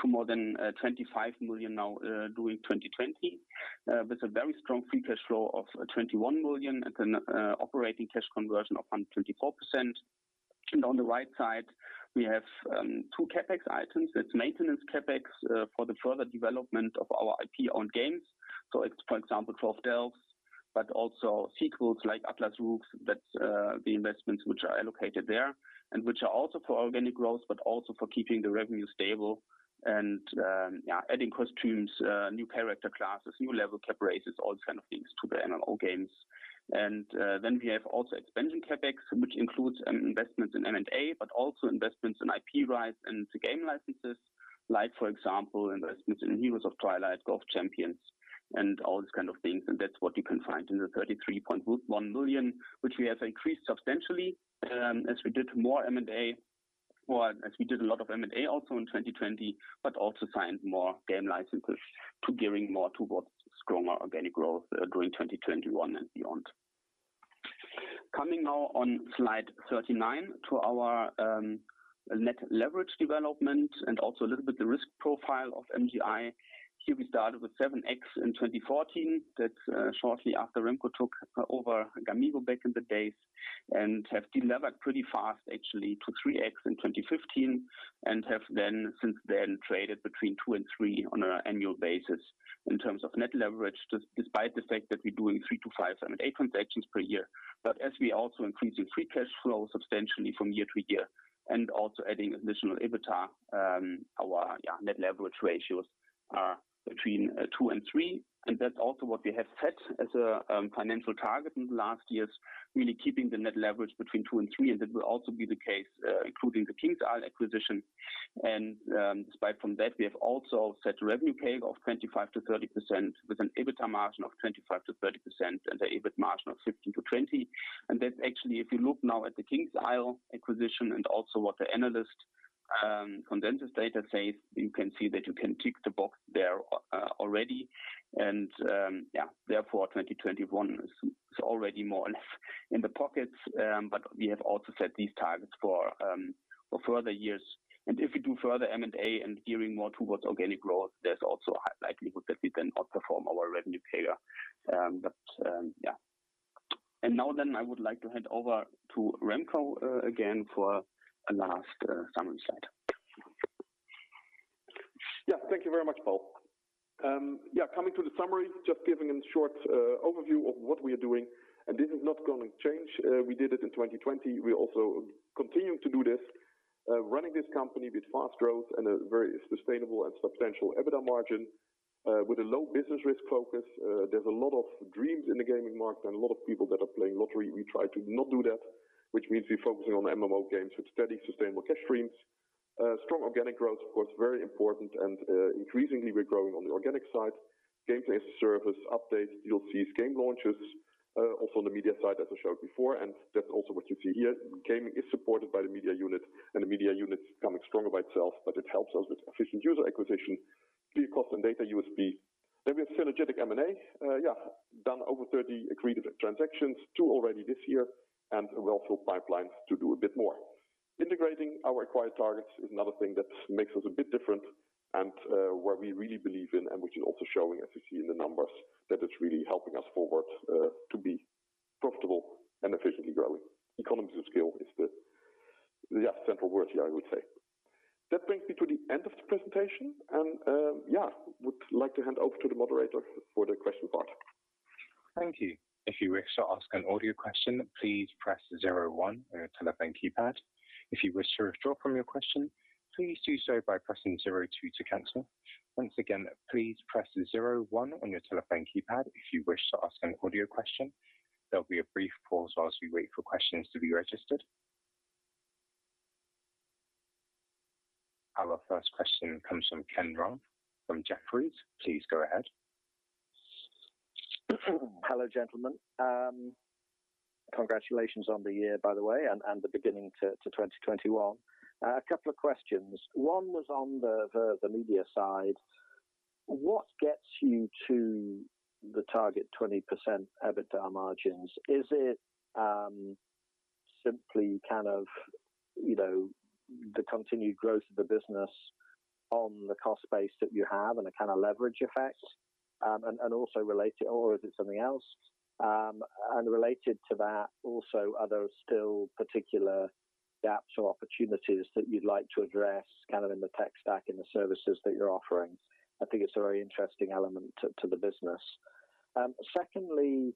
to more than 25 million now during 2020 with a very strong free cash flow of 21 million and an operating cash conversion of 124%. On the right side, we have two CapEx items. That's maintenance CapEx for the further development of our IP on games. For example, Trove Delves, but also sequels like Atlas Rogues, that is the investments which are allocated there, and which are also for organic growth, but also for keeping the revenue stable and adding costumes, new character classes, new level cap raises, all kind of things to the MMO games. We have also expansion CapEx, which includes investments in M&A, but also investments in IP rights and to game licenses, like for example, investments in Heroes of Twilight, Golf Champions, and all these kinds of things. That is what you can find in the 33.1 million, which we have increased substantially as we did a lot of M&A also in 2020, but also signed more game licenses to gearing more towards stronger organic growth during 2021 and beyond. Coming now on slide 39 to our net leverage development and also a little bit the risk profile of MGI. Here we started with 7x in 2014. That is shortly after Remco took over gamigo back in the days and have delevered pretty fast actually to 3x in 2015 and have since then traded between two and three on an annual basis in terms of net leverage, despite the fact that we are doing three to five M&A transactions per year. As we also increasing free cash flow substantially from year to year, and also adding additional EBITDA, our net leverage ratios are between two and three. That is also what we have set as a financial target in the last years, really keeping the net leverage between two and three, and that will also be the case including the KingsIsle acquisition. Despite from that, we have also set revenue CAGR of 25%-30% with an EBITDA margin of 25%-30% and the EBIT margin of 15%-20%. That's actually, if you look now at the KingsIsle acquisition and also what the analyst consensus data says, you can see that you can tick the box there already. Therefore 2021 is already more or less in the pockets. We have also set these targets for further years. If we do further M&A and gearing more towards organic growth, there's also a high likelihood that we can outperform our revenue CAGR. I would like to hand over to Remco again for a last summary slide. Yeah. Thank you very much, Paul. Coming to the summary, just giving a short overview of what we are doing. This is not going to change. We did it in 2020. We also continue to do this, running this company with fast growth and a very sustainable and substantial EBITDA margin with a low business risk focus. There's a lot of dreams in the gaming market and a lot of people that are playing lottery. We try to not do that, which means we're focusing on MMO games with steady, sustainable cash streams. Strong organic growth, of course, very important. Increasingly, we're growing on the organic side. Game as a Service update. You'll see game launches also on the media side as I showed before. That's also what you see here. Gaming is supported by the media unit. The media unit is becoming stronger by itself. It helps us with efficient user acquisition via cost and data USP. We have synergetic M&A. Done over 30 agreed transactions, two already this year. A well-filled pipeline to do a bit more. Integrating our acquired targets is another thing that makes us a bit different and where we really believe in, and which is also showing, as you see in the numbers, that it's really helping us forward to be profitable and efficiently growing. Economies of scale is the central word here, I would say. That brings me to the end of the presentation and would like to hand over to the moderator for the question part. Thank you. If you wish to ask an audio question, please press zero one on your telephone keypad. If you wish to restore from your question, please do so by pressing zero two to cancel. Once again, please press the zero one on your telephone keypad if you wish to ask an audio question. There will be a brief pause whilst we wait for your questions to be registered. Our first question comes from Ken Rumph from Jefferies. Please go ahead. Hello, gentlemen. Congratulations on the year, by the way, and the beginning to 2021. A couple of questions. One was on the media side. What gets you to the target 20% EBITDA margins? Is it simply the continued growth of the business on the cost base that you have and a kind of leverage effect, or is it something else? Related to that also, are there still particular gaps or opportunities that you'd like to address in the tech stack in the services that you're offering? I think it's a very interesting element to the business. Secondly,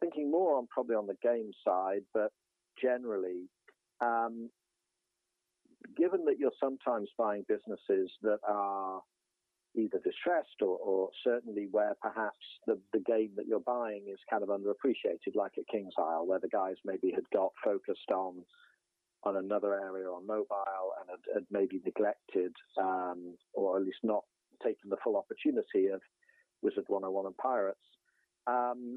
thinking more on probably on the game side, but generally, given that you're sometimes buying businesses that are either distressed or certainly where perhaps the game that you're buying is kind of underappreciated, like at KingsIsle, where the guys maybe had got focused on another area or mobile and had maybe neglected or at least not taken the full opportunity of Wizard101 and Pirate101.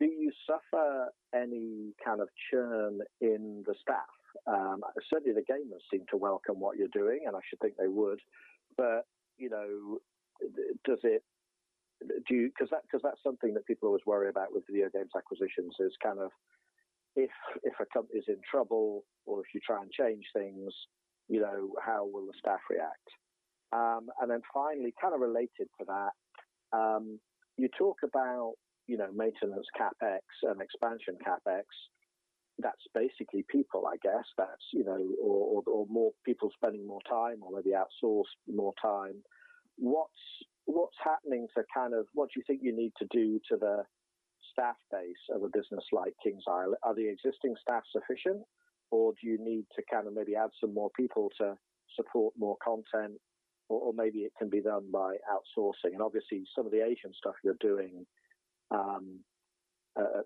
Do you suffer any kind of churn in the staff? Certainly, the gamers seem to welcome what you're doing, I should think they would. That's something that people always worry about with video games acquisitions is if a company's in trouble or if you try and change things, how will the staff react? Finally, kind of related to that, you talk about maintenance CapEx and expansion CapEx. That's basically people, I guess, or more people spending more time or maybe outsourced more time. What do you think you need to do to the staff base of a business like KingsIsle? Are the existing staff sufficient, or do you need to maybe add some more people to support more content? Or maybe it can be done by outsourcing. Obviously, some of the Asian stuff you're doing at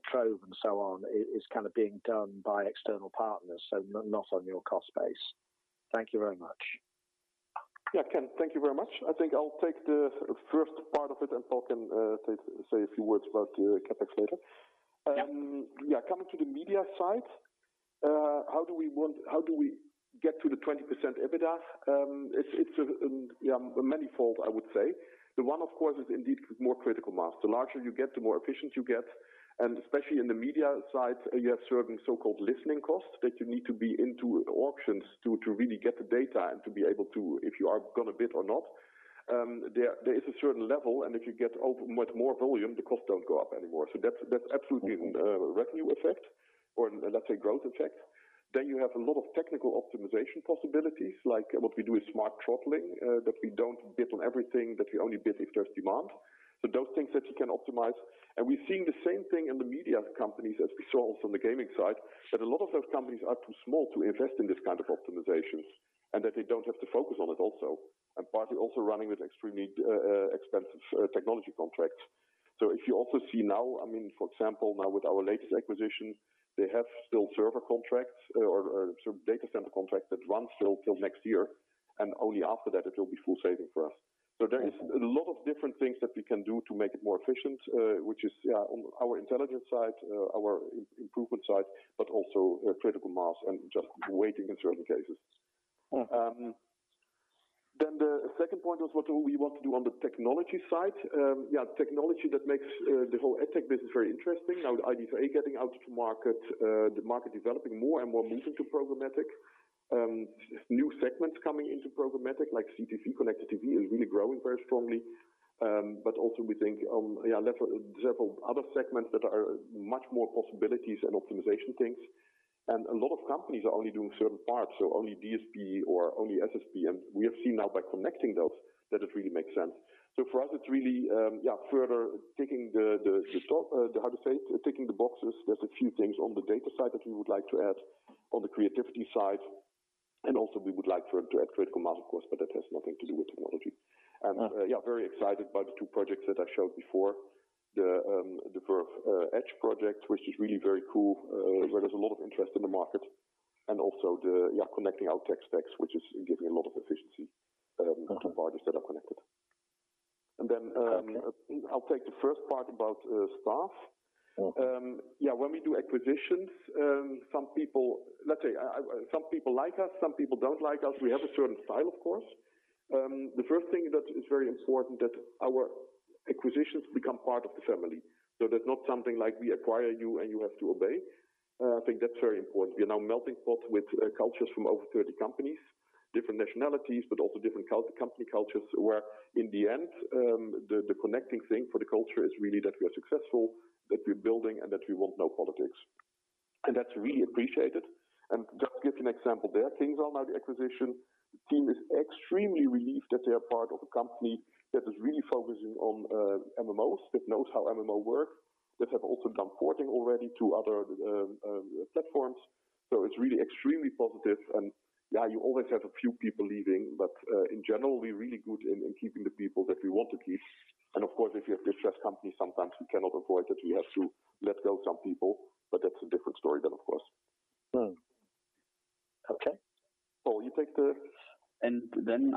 Trove and so on is being done by external partners, so not on your cost base. Thank you very much. Yeah, Ken, thank you very much. I think I'll take the first part of it and Paul can say a few words about the CapEx later. Yep. Yeah. Coming to the media side, how do we get to the 20% EBITDA? It's manyfold, I would say. The one, of course, is indeed more critical mass. The larger you get, the more efficient you get, and especially in the media side, you have certain so-called listening costs that you need to be into auctions to really get the data and to be able to, if you are going to bid or not. There is a certain level, and if you get much more volume, the costs don't go up anymore. That's absolutely a revenue effect or let's say a growth effect. You have a lot of technical optimization possibilities, like what we do with smart throttling, that we don't bid on everything, that we only bid if there's demand. Those things that you can optimize. We're seeing the same thing in the media companies as we saw from the gaming side, that a lot of those companies are too small to invest in this kind of optimization and that they don't have to focus on it, also, and partly also running with extremely expensive technology contracts. If you also see now, for example, now with our latest acquisition, they have still server contracts or data center contracts that run still till next year, and only after that it will be full savings for us. There is a lot of different things that we can do to make it more efficient, which is on our intelligence side, our improvement side, but also critical mass and just waiting in certain cases. The second point was, what do we want to do on the technology side? Technology that makes the whole ad tech business very interesting. Now with IDFA getting out to market, the market is developing more and more movement to programmatic. New segments coming into programmatic like CTV, connected TV, is really growing very strongly. Also, we think there are several other segments that are much more possibilities and optimization things. A lot of companies are only doing certain parts, so only DSP or only SSP. We have seen now by connecting those that it really makes sense. For us, it is really further ticking the boxes. There is a few things on the data side that we would like to add, on the creativity side, and also, we would like to add critical mass, of course, but that has nothing to do with technology. Yeah, very excited about the two projects that I showed before. The Verve Edge project, which is really very cool, where there's a lot of interest in the market, and also the connecting our tech stacks, which is giving a lot of efficiency. Okay To parties that are connected. Okay I'll take the first part about staff. Okay. Yeah, when we do acquisitions, some people like us, some people don't like us. We have a certain style, of course. The first thing that is very important that our acquisitions become part of the family. There's not something like we acquire you and you have to obey. I think that's very important. We are now a melting pot with cultures from over 30 companies, different nationalities, but also different company cultures, where in the end, the connecting thing for the culture is really that we are successful, that we're building, and that we want no politics. That's really appreciated. Just to give you an example there, KingsIsle now the acquisition team is extremely relieved that they are part of a company that is really focusing on MMOs, that knows how MMO work, that have also done porting already to other platforms. It's really extremely positive. Yeah, you always have a few people leaving, but in general, we're really good in keeping the people that we want to keep. Of course, if you have distressed companies, sometimes you cannot avoid that you have to let go of some people, but that's a different story then, of course. Hmm. Okay. Paul, you take the-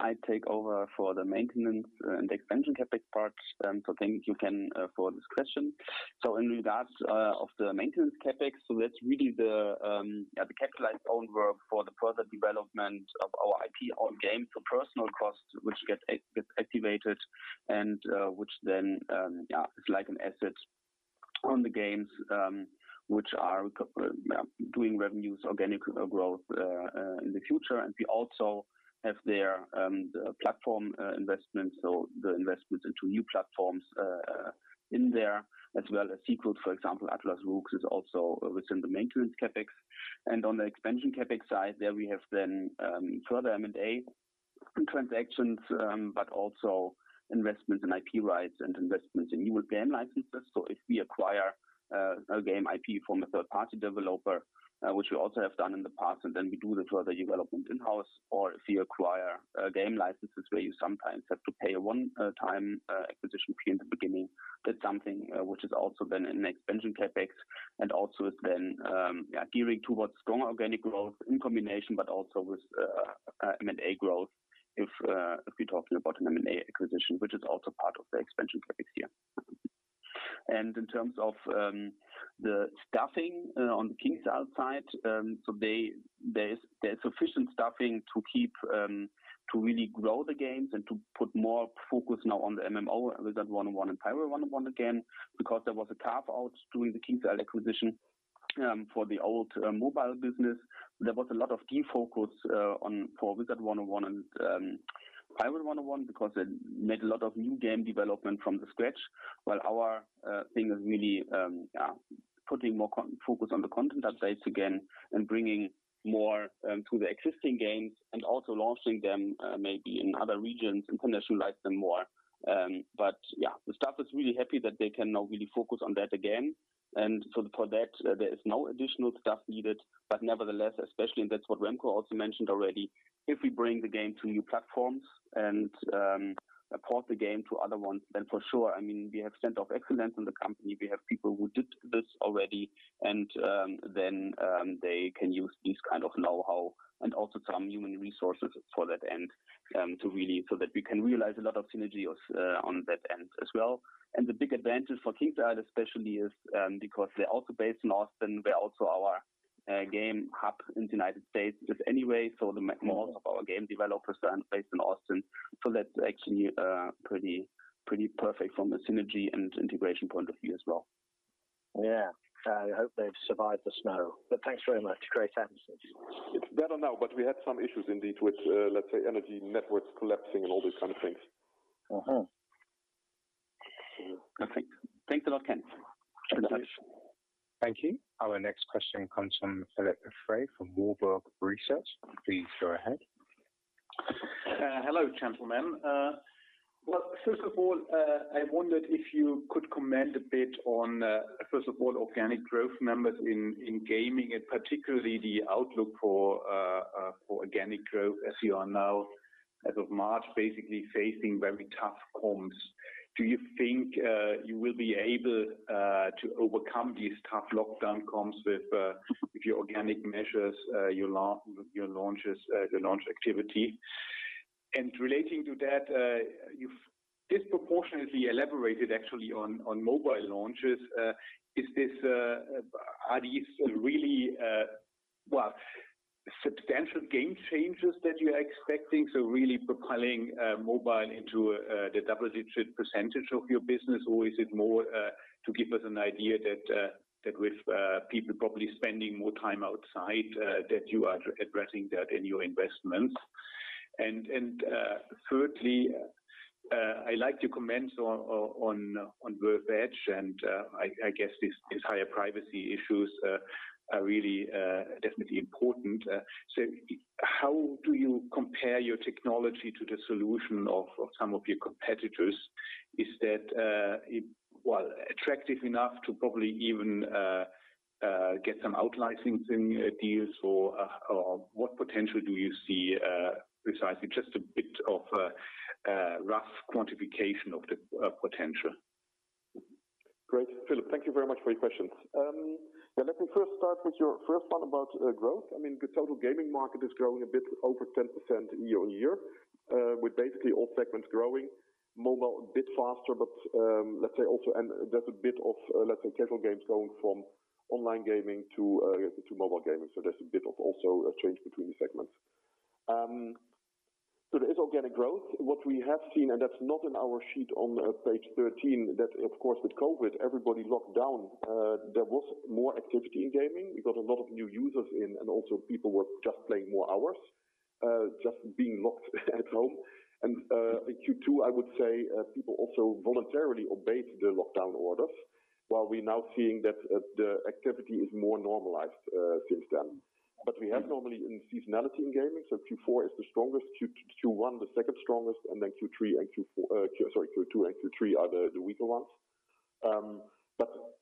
I take over for the maintenance and expansion CapEx parts. Ken, you can for this question. In regards of the maintenance CapEx, that's really the capitalized own work for the further development of our IP or game. Personal costs which get activated and which then is like an asset on the games, which are doing revenues, organic growth in the future. We also have there the platform investments. The investments into new platforms in there, as well as sequels. For example, Atlas Rogues is also within the maintenance CapEx. On the expansion CapEx side, there we have then further M&A transactions, but also investments in IP rights and investments in new game licenses. If we acquire a game IP from a third-party developer, which we also have done in the past, then we do the further development in-house. If we acquire game licenses where you sometimes have to pay a one-time acquisition fee in the beginning. That's something which is also then an expansion CapEx and also then gearing towards strong organic growth in combination, but also with M&A growth if we're talking about an M&A acquisition, which is also part of the expansion CapEx here. In terms of the staffing on the KingsIsle side, there's sufficient staffing to really grow the games and to put more focus now on the MMO, Wizard101 and Pirate101 again, because there was a carve-out doing the KingsIsle acquisition for the old mobile business. There was a lot of key focus for Wizard101 and Pirate101 because they made a lot of new game development from scratch, while our thing is really putting more focus on the content updates again and bringing more to the existing games and also launching them maybe in other regions and internationalize them more. Yeah, the staff is really happy that they can now really focus on that again. For that, there is no additional stuff needed. Nevertheless, especially, and that's what Remco also mentioned already, if we bring the game to new platforms and port the game to other ones, then for sure, we have center of excellence in the company. We have people who did this already, then they can use this kind of know-how and also some human resources for that end, so that we can realize a lot of synergy on that end as well. The big advantage for KingsIsle especially is because they're also based in Austin, where also our game hub in the United States is anyway. Most of our game developers are based in Austin. That's actually pretty perfect from a synergy and integration point of view as well. Yeah. I hope they've survived the snow, but thanks very much. Great answers. It's better now, but we had some issues indeed with, let's say, energy networks collapsing and all these kind of things. Mm-hmm. Perfect. Thanks a lot, Ken. Thanks. Thank you. Our next question comes from Philipp Frey from Warburg Research. Please go ahead. Hello, gentlemen. First of all, I wondered if you could comment a bit on, first of all, organic growth numbers in gaming, and particularly the outlook for organic growth as you are now, as of March, basically facing very tough comps. Do you think you will be able to overcome these tough lockdown comps with your organic measures, your launch activity? Relating to that, you've disproportionately elaborated actually on mobile launches. Are these really substantial game changes that you are expecting, so really propelling mobile into the double-digit percentage of your business? Or is it more to give us an idea that with people probably spending more time outside, that you are addressing that in your investments? Thirdly, I like to comment on Verve Edge, and I guess these higher privacy issues are really definitely important. How do you compare your technology to the solution of some of your competitors? Is that attractive enough to probably even get some out-licensing deals? Or what potential do you see precisely? Just a bit of a rough quantification of the potential. Great, Philipp. Thank you very much for your questions. Yeah, let me first start with your first one about growth. The total gaming market is growing a bit over 10% year-over-year, with basically all segments growing. Mobile a bit faster, but let's say also, and there's a bit of casual games going from online gaming to mobile gaming. There's a bit of also a change between the segments. There is organic growth. What we have seen, and that's not in our sheet on page 13, that, of course, with COVID, everybody locked down. There was more activity in gaming. We got a lot of new users in, and also people were just playing more hours, just being locked at home. In Q2, I would say, people also voluntarily obeyed the lockdown orders, while we're now seeing that the activity is more normalized since then. We have normally in seasonality in gaming, so Q4 is the strongest, Q1 the second strongest, and then Q2 and Q3 are the weaker ones.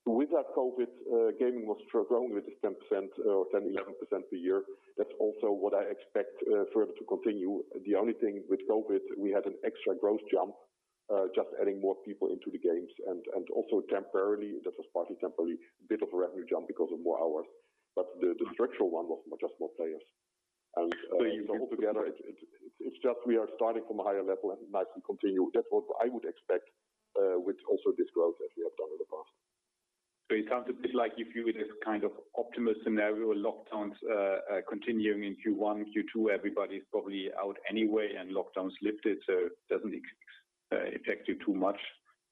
With that COVID, gaming was still growing with 10%, 11% a year. That's also what I expect further to continue. The only thing with COVID, we had an extra growth jump, just adding more people into the games, and also temporarily, that was partly temporary, bit of a revenue jump because of more hours. The structural one was just more players. Altogether, it's just we are starting from a higher level and nicely continue. That's what I would expect with also this growth that we have done in the past. It sounds a bit like if you were this kind of optimal scenario lockdowns continuing in Q1, Q2, everybody's probably out anyway and lockdowns lifted, so it doesn't affect you too much.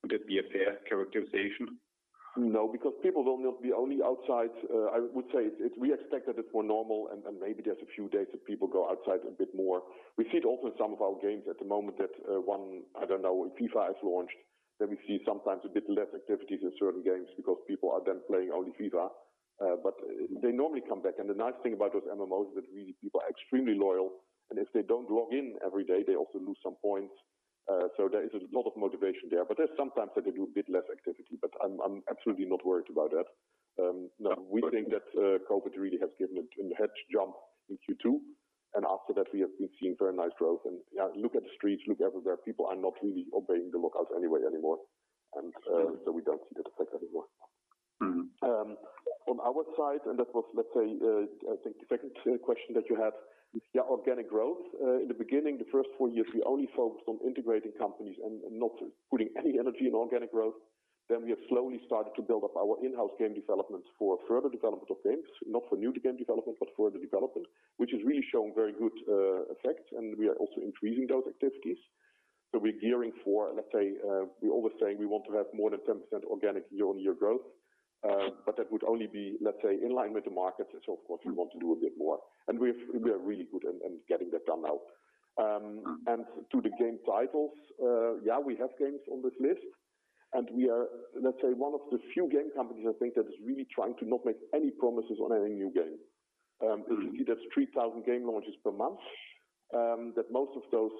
Would that be a fair characterization? No, because people will not be only outside. I would say, we expect that it's more normal, and maybe there's a few days that people go outside a bit more. We see it also in some of our games at the moment that one, I don't know, FIFA has launched, then we see sometimes a bit less activities in certain games because people are then playing only FIFA. They normally come back, and the nice thing about those MMOs is that really people are extremely loyal, and if they don't log in every day, they also lose some points. There is a lot of motivation there, but there's sometimes that they do a bit less activity, but I'm absolutely not worried about that. No, we think that COVID really has given it a hedge jump in Q2, and after that, we have been seeing very nice growth. Look at the streets, look everywhere. People are not really obeying the lockouts anyway anymore, and so we don't see that effect anymore. On our side, that was, let's say, I think the second question that you had, organic growth. In the beginning, the first four years, we only focused on integrating companies and not putting any energy in organic growth. We have slowly started to build up our in-house game development for further development of games, not for new game development, but further development, which has really shown very good effects, and we are also increasing those activities. We're gearing for, let's say, we're always saying we want to have more than 10% organic year-on-year growth. That would only be, let's say, in line with the market. Of course, we want to do a bit more. We are really good in getting that done now. To the game titles, yeah, we have games on this list, and we are, let's say, one of the few game companies, I think, that is really trying to not make any promises on any new game. If you see, there's 3,000 game launches per month, that most of those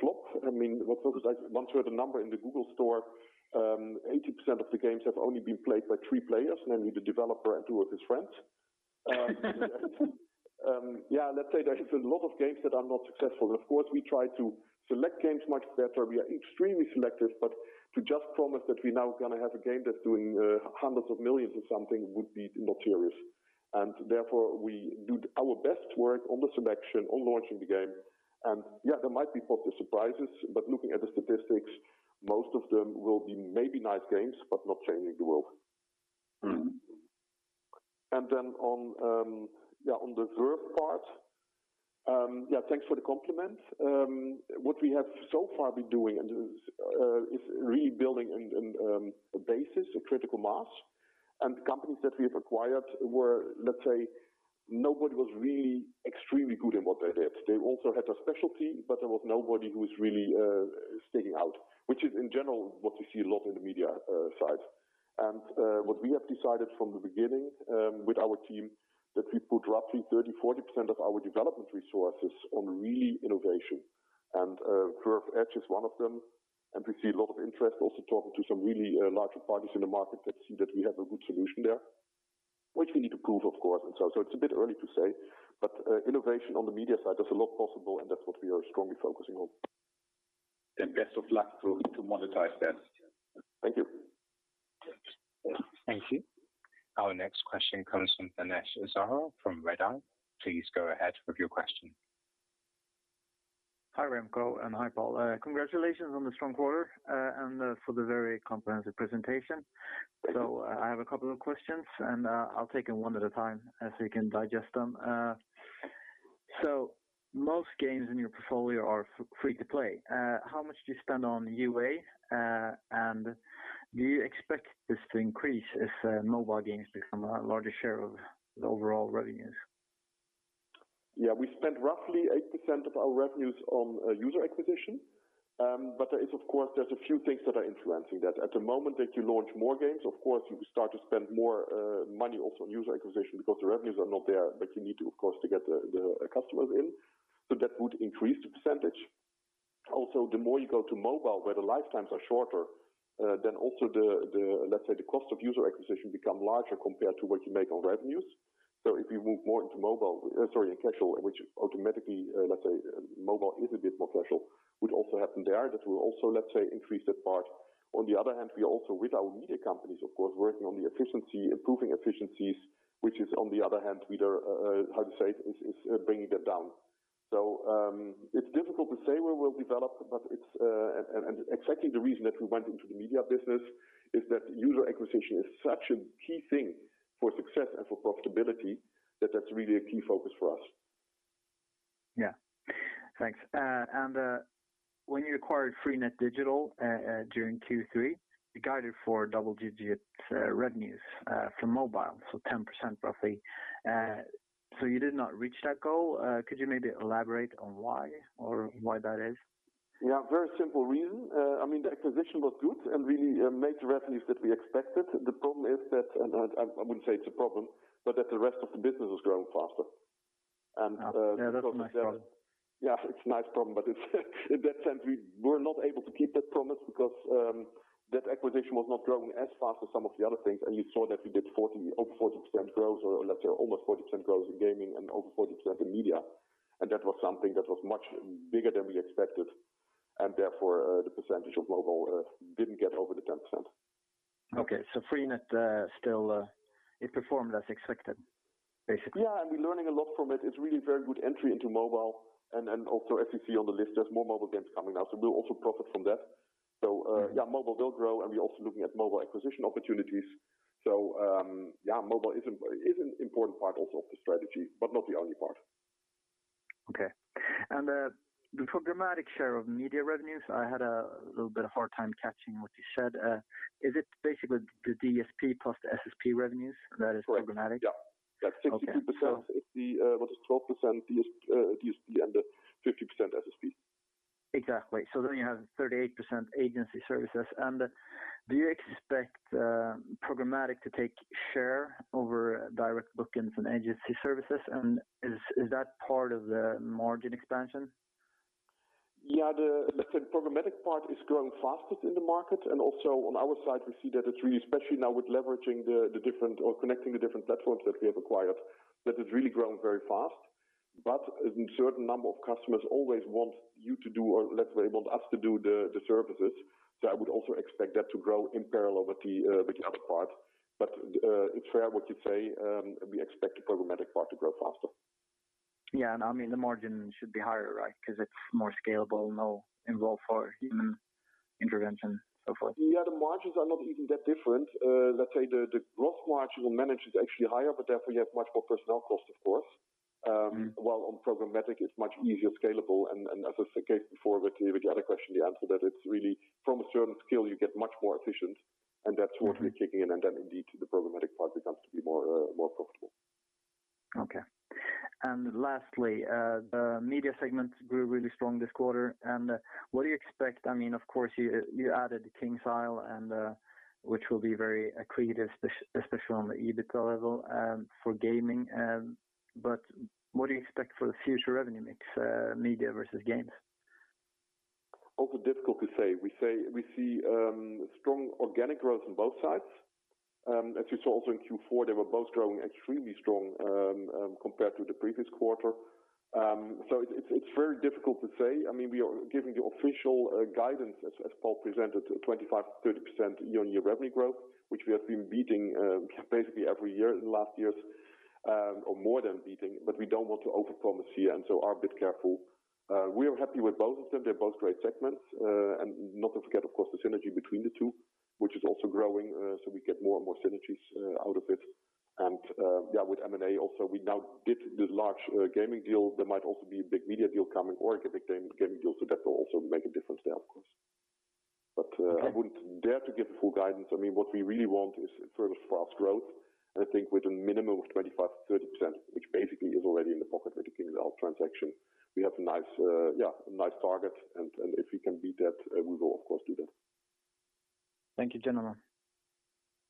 flop. Once you have the number in the Google Play Store, 80% of the games have only been played by three players, namely the developer and two of his friends. Yeah. Let's say there is a lot of games that are not successful. Of course, we try to select games much better. We are extremely selective, but to just promise that we are now going to have a game that's doing hundreds of millions or something would be not serious. Therefore, we do our best work on the selection, on launching the game. Yeah, there might be positive surprises, but looking at the statistics, most of them will be maybe nice games, but not changing the world. On the Verve part, thanks for the compliment. What we have so far been doing is really building a basis, a critical mass. The companies that we have acquired were, let's say, nobody was really extremely good in what they did. They also had a specialty, but there was nobody who was really sticking out, which is in general, what we see a lot in the media side. What we have decided from the beginning with our team, that we put roughly 30%-40% of our development resources on really innovation. Verve Edge is one of them. We see a lot of interest also talking to some really larger parties in the market that see that we have a good solution there. Which we need to prove, of course. It's a bit early to say, but innovation on the media side, there's a lot possible and that's what we are strongly focusing on. Best of luck to monetize that. Thank you. Thank you. Our next question comes from Danesh Zare from Redeye. Please go ahead with your question. Hi, Remco, and hi, Paul. Congratulations on the strong quarter and for the very comprehensive presentation. I have a couple of questions, and I'll take them one at a time as we can digest them. Most games in your portfolio are free to play. How much do you spend on UA, and do you expect this to increase as mobile games become a larger share of the overall revenues? Yeah. We spend roughly 8% of our revenues on user acquisition. There's a few things that are influencing that. At the moment that you launch more games, of course, you start to spend more money also on user acquisition because the revenues are not there. You need to, of course, to get the customers in. That would increase the percentage. Also, the more you go to mobile, where the lifetimes are shorter, then also the cost of user acquisition become larger compared to what you make on revenues. If you move more into mobile, sorry, in casual, which automatically, let's say mobile is a bit more casual, would also happen there. That will also increase that part. On the other hand, we also, with our media companies, of course, working on the efficiency, improving efficiencies, which is on the other hand, how to say, is bringing that down. It's difficult to say where we'll develop. Exactly the reason that we went into the media business is that user acquisition is such a key thing for success and for profitability, that that's really a key focus for us. Yeah. Thanks. When you acquired freenet digital during Q3, you guided for double-digit revenues from mobile, so 10% roughly. You did not reach that goal. Could you maybe elaborate on why or why that is? Yeah. Very simple reason. The acquisition was good and really made the revenues that we expected. The problem is that, and I wouldn't say it's a problem, but that the rest of the business is growing faster. Yeah, that's a nice problem. Yeah, it's a nice problem. In that sense, we were not able to keep that promise because that acquisition was not growing as fast as some of the other things. You saw that we did over 40% growth, or let's say almost 40% growth in gaming and over 40% in media. That was something that was much bigger than we expected. Therefore, the percentage of mobile didn't get over the 10%. Okay. freenet still it performed as expected, basically. Yeah. We're learning a lot from it. It's really very good entry into mobile. Also as you see on the list, there's more mobile games coming out, so we'll also profit from that. Yeah, mobile will grow, and we're also looking at mobile acquisition opportunities. Yeah, mobile is an important part also of the strategy, but not the only part. Okay. The programmatic share of media revenues, I had a little bit of hard time catching what you said. Is it basically the DSP plus the SSP revenues that is programmatic? Correct. Yeah. That's 62% is the, what is 12% DSP and 50% SSP. Exactly. You have 38% agency services. Do you expect programmatic to take share over direct bookings and agency services? Is that part of the margin expansion? Yeah. The programmatic part is growing fastest in the market. Also on our side, we see that it's really, especially now with leveraging the different or connecting the different platforms that we have acquired, that is really growing very fast. A certain number of customers always want you to do or let's say want us to do the services. I would also expect that to grow in parallel with the other part. It's fair what you say. We expect the programmatic part to grow faster. Yeah. The margin should be higher, right? Because it's more scalable, no involve for human intervention, so forth. Yeah, the margins are not even that different. Let's say the gross margin on managed is actually higher, but therefore you have much more personnel cost, of course. While on programmatic, it's much easier scalable. As I said before with the other question, the answer that it's really from a certain scale, you get much more efficient, and that's what we're kicking in. Indeed, the programmatic part becomes to be more profitable. Okay. Lastly, the media segment grew really strong this quarter. What do you expect? Of course, you added KingsIsle, which will be very accretive, especially on the EBITDA level for gaming. What do you expect for the future revenue mix, media versus games? Difficult to say. We see strong organic growth on both sides. As you saw also in Q4, they were both growing extremely strong compared to the previous quarter. It's very difficult to say. We are giving the official guidance, as Paul presented, 25%-30% year-over-year revenue growth, which we have been beating basically every year in the last years, or more than beating, but we don't want to over-promise here, are a bit careful. We are happy with both of them. They're both great segments. Not to forget, of course, the synergy between the two, which is also growing, we get more and more synergies out of it. With M&A also, we now did this large gaming deal. There might also be a big media deal coming or a big gaming deal. That will also make a difference there, of course. Okay. I wouldn't dare to give full guidance. What we really want is further fast growth. I think with a minimum of 25%-30%, which basically is already in the pocket with the KingsIsle transaction, we have a nice target. If we can beat that, we will of course do that. Thank you, gentlemen.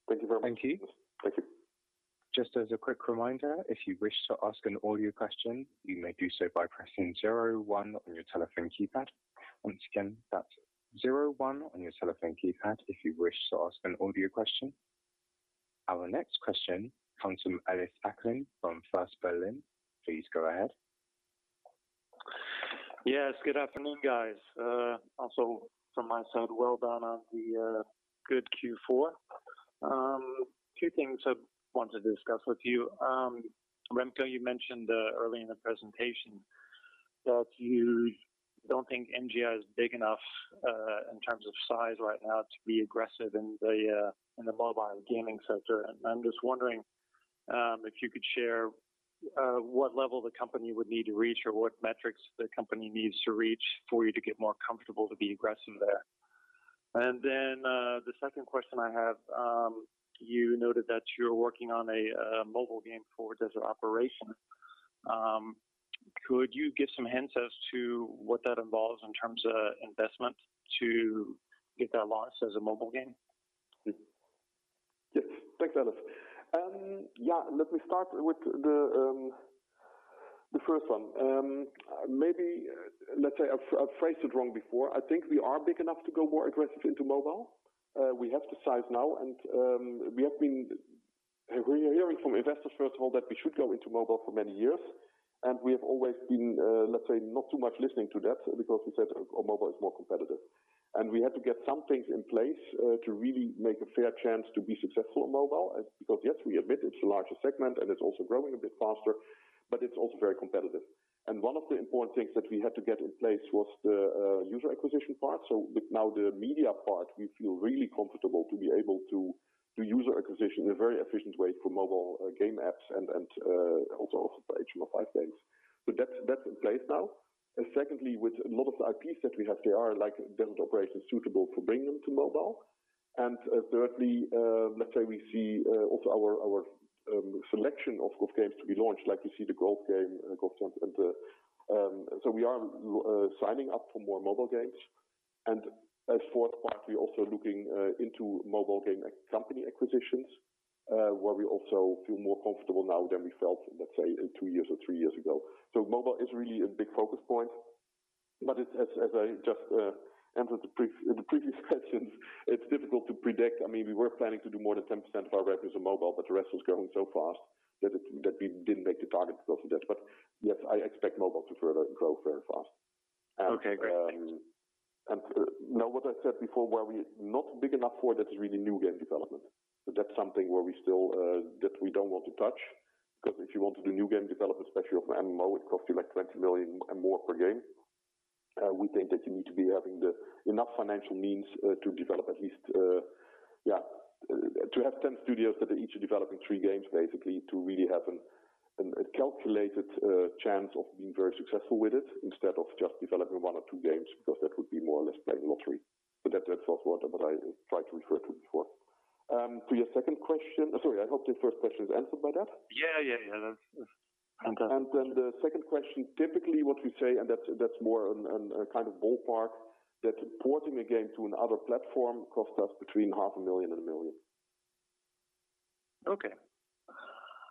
Thank you very much. Thank you. Thank you. Just as a quick reminder, if you wish to ask an audio question, you may do so by pressing zero one on your telephone keypad. Once again, that's zero one on your telephone keypad if you wish to ask an audio question. Our next question comes from Ellis Acklin from First Berlin. Please go ahead. Yes, good afternoon, guys. Also from my side, well done on the good Q4. Two things I want to discuss with you. Remco, you mentioned early in the presentation that you don't think MGI is big enough in terms of size right now to be aggressive in the mobile gaming sector. I'm just wondering if you could share what level the company would need to reach or what metrics the company needs to reach for you to get more comfortable to be aggressive there. The second question I have, you noted that you're working on a mobile game for Desert Operations. Could you give some hints as to what that involves in terms of investment to get that launched as a mobile game? Yes. Thanks, Ellis. Let me start with the first one. Maybe, let's say I phrased it wrong before. I think we are big enough to go more aggressive into mobile. We have the size now, and we have been hearing from investors, first of all, that we should go into mobile for many years, and we have always been, let's say, not too much listening to that because we said mobile is more competitive. We had to get some things in place to really make a fair chance to be successful in mobile. Because, yes, we admit it's a larger segment and it's also growing a bit faster, but it's also very competitive. One of the important things that we had to get in place was the user acquisition part. With now the media part, we feel really comfortable to be able to do user acquisition in a very efficient way for mobile game apps and also HTML5 games. That's in place now. Secondly, with a lot of IPs that we have, they are like different operations suitable for bringing them to mobile. Thirdly, let's say we see also our selection of those games to be launched, like we see Golf Champions. We are signing up for more mobile games. As fourth part, we're also looking into mobile game company acquisitions, where we also feel more comfortable now than we felt, let's say, two years or three years ago. Mobile is really a big focus point. As I just answered the previous questions, it's difficult to predict. We were planning to do more than 10% of our revenues on mobile, but the rest was growing so fast that we didn't make the target because of that. Yes, I expect mobile to further grow very fast. Okay, great. Thanks. Now what I said before, where we're not big enough for that, is really new game development. That's something that we don't want to touch, because if you want to do new game development, especially for MMO, it costs you like 20 million and more per game. We think that you need to be having enough financial means to develop at least, yeah, to have 10 studios that are each developing three games, basically, to really have a calculated chance of being very successful with it instead of just developing one or two games, because that would be more or less playing lottery. That's also what I tried to refer to before. To your second question. Sorry, I hope the first question is answered by that. Yeah. The second question, typically what we say, and that's more a kind of ballpark, that porting a game to another platform costs us between half a million and 1 million. Okay.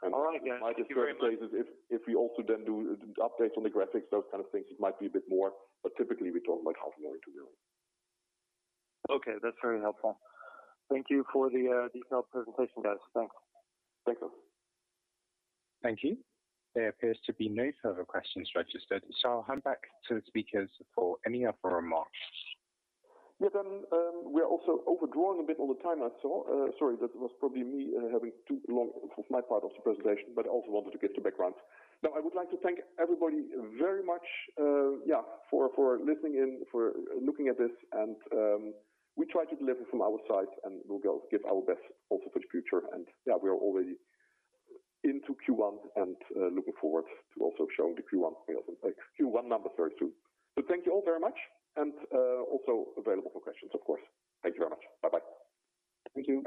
All right. If we also then do updates on the graphics, those kind of things, it might be a bit more, but typically we talk about 500,000-1 million. Okay, that's very helpful. Thank you for the detailed presentation, guys. Thanks. Thank you. Thank you. There appears to be no further questions registered, so I'll hand back to the speakers for any further remarks. Yeah. We are also overdrawing a bit on the time I saw. Sorry, that was probably me having too long for my part of the presentation, but I also wanted to give the background. I would like to thank everybody very much, yeah, for listening in, for looking at this, and we try to deliver from our side, and we'll give our best also for the future. Yeah, we are already into Q1 and looking forward to also showing the Q1 numbers very soon. Thank you all very much, and also available for questions, of course. Thank you very much. Bye-bye. Thank you.